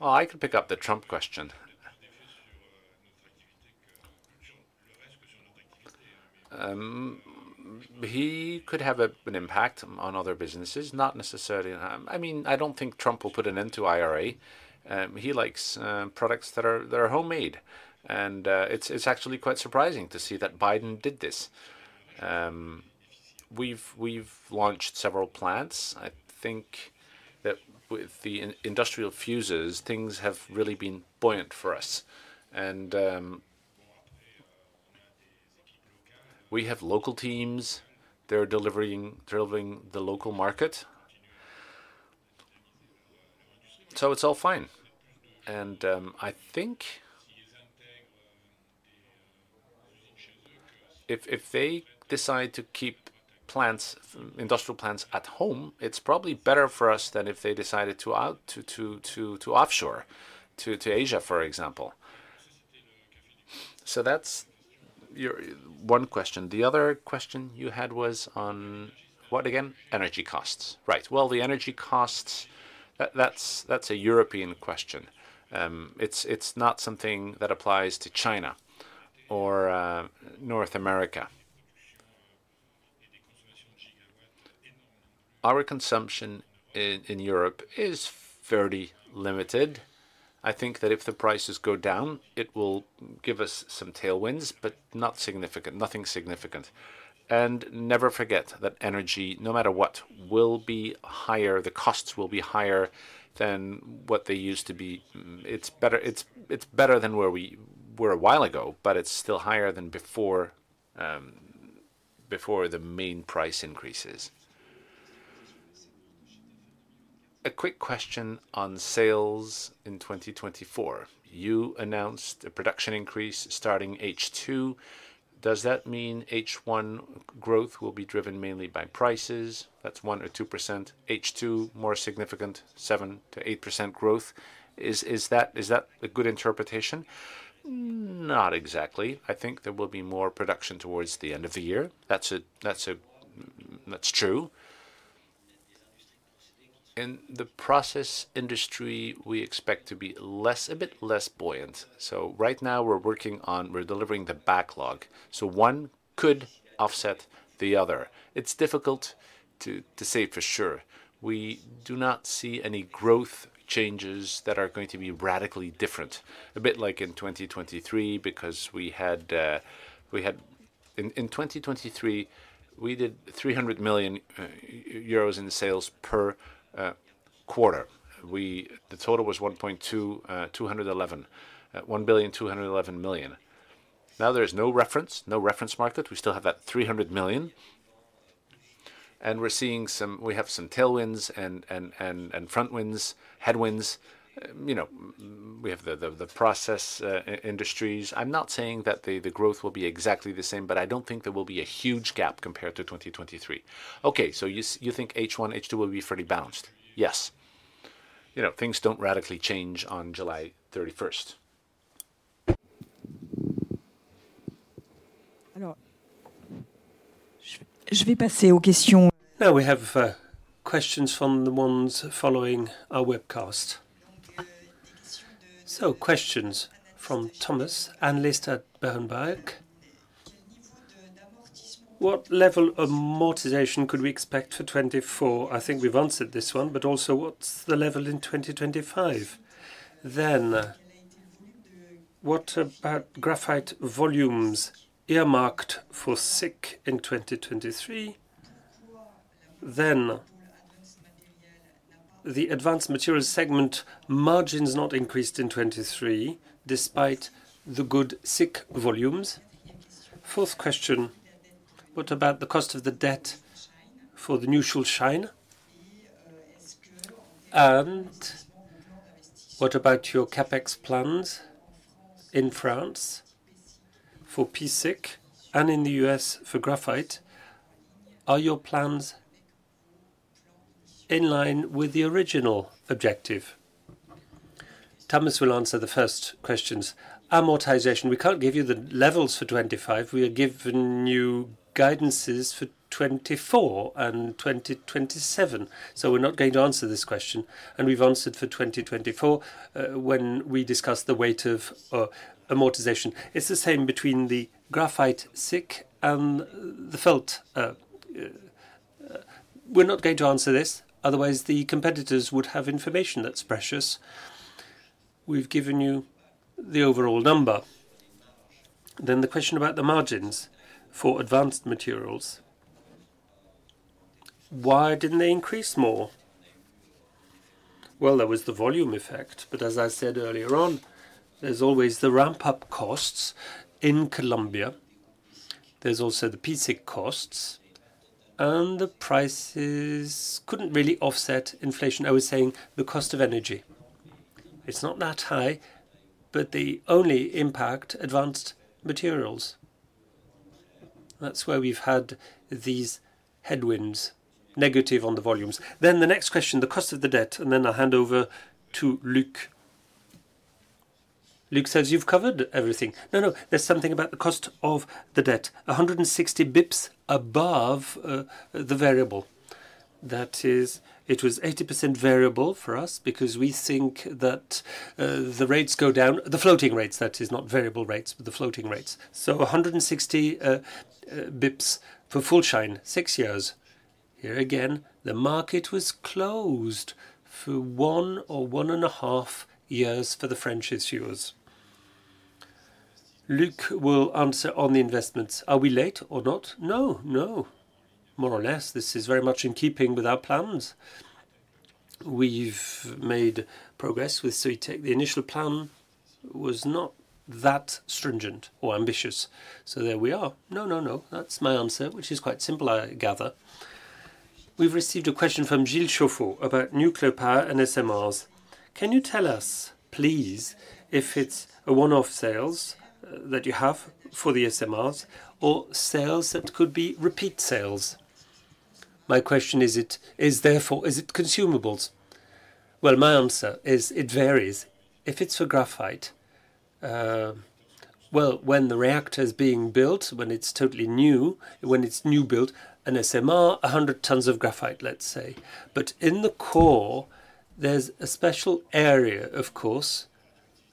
Well, I can pick up the Trump question. He could have an impact on other businesses, not necessarily on... I mean, I don't think Trump will put an end to IRA. He likes products that are homemade, and it's actually quite surprising to see that Biden did this. We've launched several plants. I think that with the industrial fuses, things have really been buoyant for us. And we have local teams. They're delivering the local market. So it's all fine. I think if they decide to keep plants, industrial plants at home, it's probably better for us than if they decided to offshore to Asia, for example. So that's your one question. The other question you had was on what again? Energy costs. Right. Well, the energy costs, that's a European question. It's not something that applies to China or North America. Our consumption in Europe is fairly limited. I think that if the prices go down, it will give us some tailwinds, but not significant, nothing significant. And never forget that energy, no matter what, will be higher, the costs will be higher than what they used to be. It's better, it's better than where we were a while ago, but it's still higher than before, before the main price increases. A quick question on sales in 2024. You announced a production increase starting H2. Does that mean H1 growth will be driven mainly by prices? That's 1%-2%. H2, more significant, 7%-8% growth. Is that a good interpretation? Not exactly. I think there will be more production towards the end of the year. That's true. In the process industry, we expect to be less, a bit less buoyant. So right now we're working on, we're delivering the backlog, so one could offset the other. It's difficult to say for sure. We do not see any growth changes that are going to be radically different. A bit like in 2023, because we had. In 2023, we did 300 million euros in sales per quarter. We... The total was 1.2, 211. 1 billion, 211 million. Now, there's no reference, no reference market. We still have that 300 million, and we're seeing we have some tailwinds and front winds, headwinds. You know, we have the, the, the process, industries. I'm not saying that the, the growth will be exactly the same, but I don't think there will be a huge gap compared to 2023. Okay, so you think H1, H2 will be fairly balanced? Yes. You know, things don't radically change on July thirty-first. Now, we have questions from the ones following our webcast. So questions from Thomas, analyst at Berenberg. What level of amortization could we expect for 2024? I think we've answered this one, but also, what's the level in 2025? Then, what about graphite volumes earmarked for SiC in 2023? Then, the advanced materials segment margins not increased in 2023, despite the good SiC volumes. Fourth question: What about the cost of the debt for the new Schuldschein? And what about your CapEx plans in France for p-SiC and in the US for graphite? Are your plans in line with the original objective? Thomas will answer the first questions. Amortization, we can't give you the levels for 2025. We have given you guidances for 2024 and 2027, so we're not going to answer this question. We've answered for 2024, when we discussed the weight of amortization. It's the same between the graphite SiC and the felt. We're not going to answer this, otherwise, the competitors would have information that's precious. We've given you the overall number. Then the question about the margins for advanced materials. Why didn't they increase more? Well, there was the volume effect, but as I said earlier on, there's always the ramp-up costs in Columbia. There's also the p-SiC costs, and the prices couldn't really offset inflation. I was saying the cost of energy. It's not that high, but they only impact advanced materials. That's why we've had these headwinds, negative on the volumes. Then the next question, the cost of the debt, and then I'll hand over to Luc. Luc says you've covered everything. No, no, there's something about the cost of the debt, 160 basis points above the variable. That is, it was 80% variable for us because we think that the rates go down. The floating rates, that is, not variable rates, but the floating rates. So 160 basis points for Schuldschein, 6 years. Here again, the market was closed for 1 or 1.5 years for the French issuers. Luc will answer on the investments. Are we late or not? No, no. More or less, this is very much in keeping with our plans. We've made progress with Soitec. The initial plan was not that stringent or ambitious. So there we are. No, no, no, that's my answer, which is quite simple, I gather. We've received a question from Jill Chauffeau about nuclear power and SMRs. Can you tell us, please, if it's a one-off sales that you have for the SMRs or sales that could be repeat sales? My question is it, is therefore, is it consumables? Well, my answer is it varies. If it's for graphite, well, when the reactor is being built, when it's totally new, when it's new built, an SMR, 100 tons of graphite, let's say. But in the core, there's a special area, of course,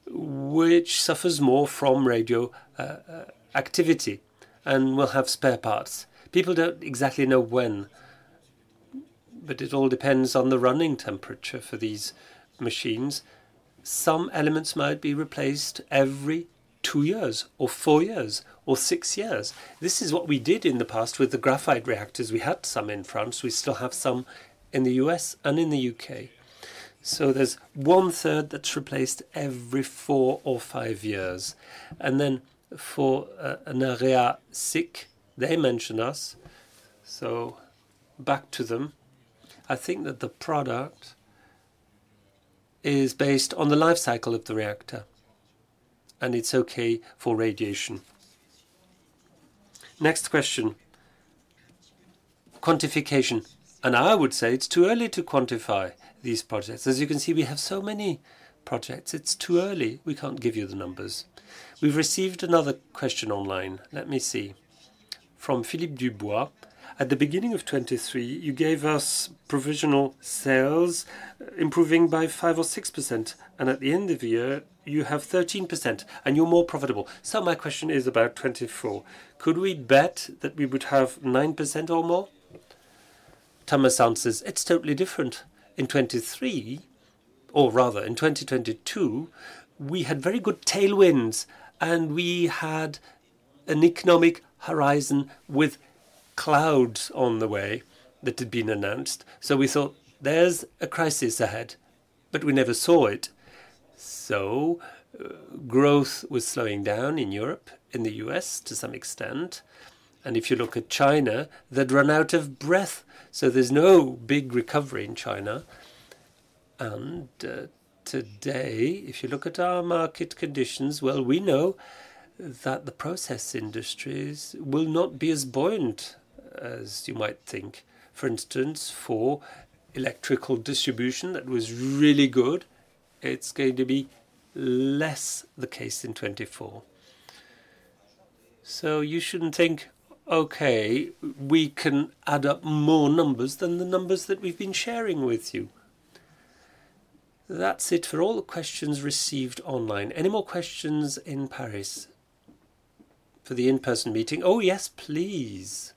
which suffers more from radioactivity and will have spare parts. People don't exactly know when, but it all depends on the running temperature for these machines. Some elements might be replaced every two years, or four years, or six years. This is what we did in the past with the graphite reactors. We had some in France, we still have some in the U.S. and in the U.K. So there's one-third that's replaced every four or five years. And then for an area SiC, they mention us. So back to them. I think that the product is based on the life cycle of the reactor, and it's okay for radiation. Next question, quantification, and I would say it's too early to quantify these projects. As you can see, we have so many projects, it's too early. We can't give you the numbers. We've received another question online. Let me see.... from Philippe Dubois. At the beginning of 2023, you gave us provisional sales improving by 5% or 6%, and at the end of the year, you have 13%, and you're more profitable. So my question is about 2024. Could we bet that we would have 9% or more? Thomas answer is, "It's totally different. In 2023, or rather in 2022, we had very good tailwinds, and we had an economic horizon with clouds on the way that had been announced. So we thought, there's a crisis ahead, but we never saw it. So, growth was slowing down in Europe, in the US, to some extent. And if you look at China, they'd run out of breath, so there's no big recovery in China. And, today, if you look at our market conditions, well, we know that the process industries will not be as buoyant as you might think. For instance, for electrical distribution, that was really good. It's going to be less the case in 2024." So you shouldn't think, "Okay, we can add up more numbers than the numbers that we've been sharing with you." That's it for all the questions received online. Any more questions in Paris for the in-person meeting? Oh, yes, please.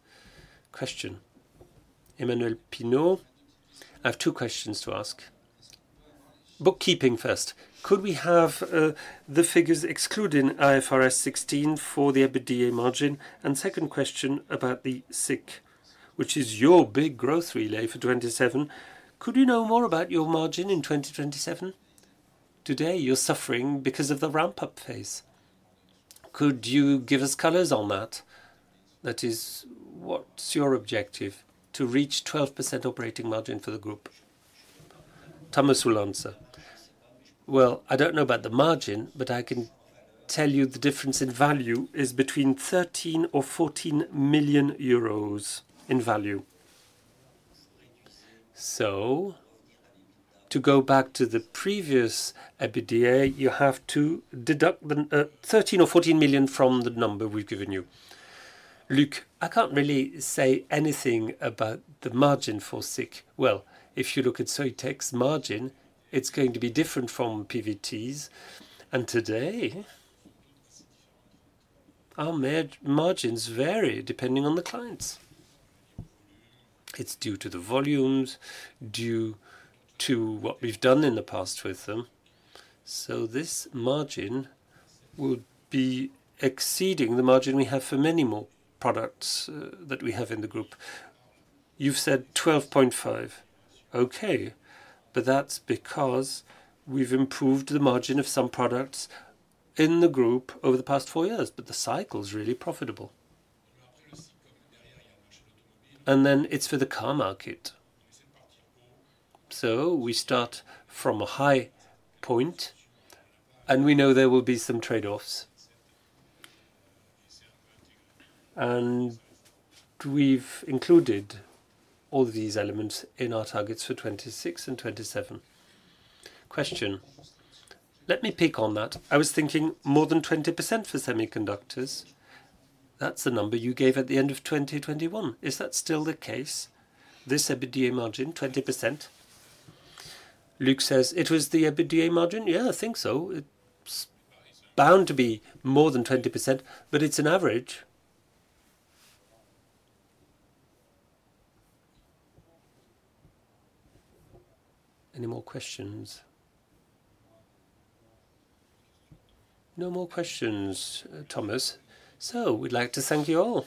Question. Emmanuel Pinault. I have two questions to ask. Bookkeeping first: Could we have the figures excluding IFRS 16 for the EBITDA margin? And second question about the SiC, which is your big growth relay for 2027. Could you know more about your margin in 2027? Today, you're suffering because of the ramp-up phase. Could you give us colors on that? That is, what's your objective to reach 12% operating margin for the group? Thomas will answer. "Well, I don't know about the margin, but I can tell you the difference in value is between 13 or 14 million euros in value. So to go back to the previous EBITDA, you have to deduct the 13 or 14 million from the number we've given you. Luc, I can't really say anything about the margin for SiC. Well, if you look at Soitec's margin, it's going to be different from PVT's. And today, our margins vary depending on the clients. It's due to the volumes, due to what we've done in the past with them. So this margin would be exceeding the margin we have for many more products, that we have in the group. You've said 12.5. Okay, but that's because we've improved the margin of some products in the group over the past four years, but the cycle is really profitable. And then it's for the car market. So we start from a high point, and we know there will be some trade-offs. And we've included all these elements in our targets for 2026 and 2027. Question: Let me pick on that. I was thinking more than 20% for semiconductors. That's the number you gave at the end of 2021. Is that still the case, this EBITDA margin, 20%? Luc says, "It was the EBITDA margin? Yeah, I think so. It's bound to be more than 20%, but it's an average." Any more questions? No more questions, Thomas. So we'd like to thank you all.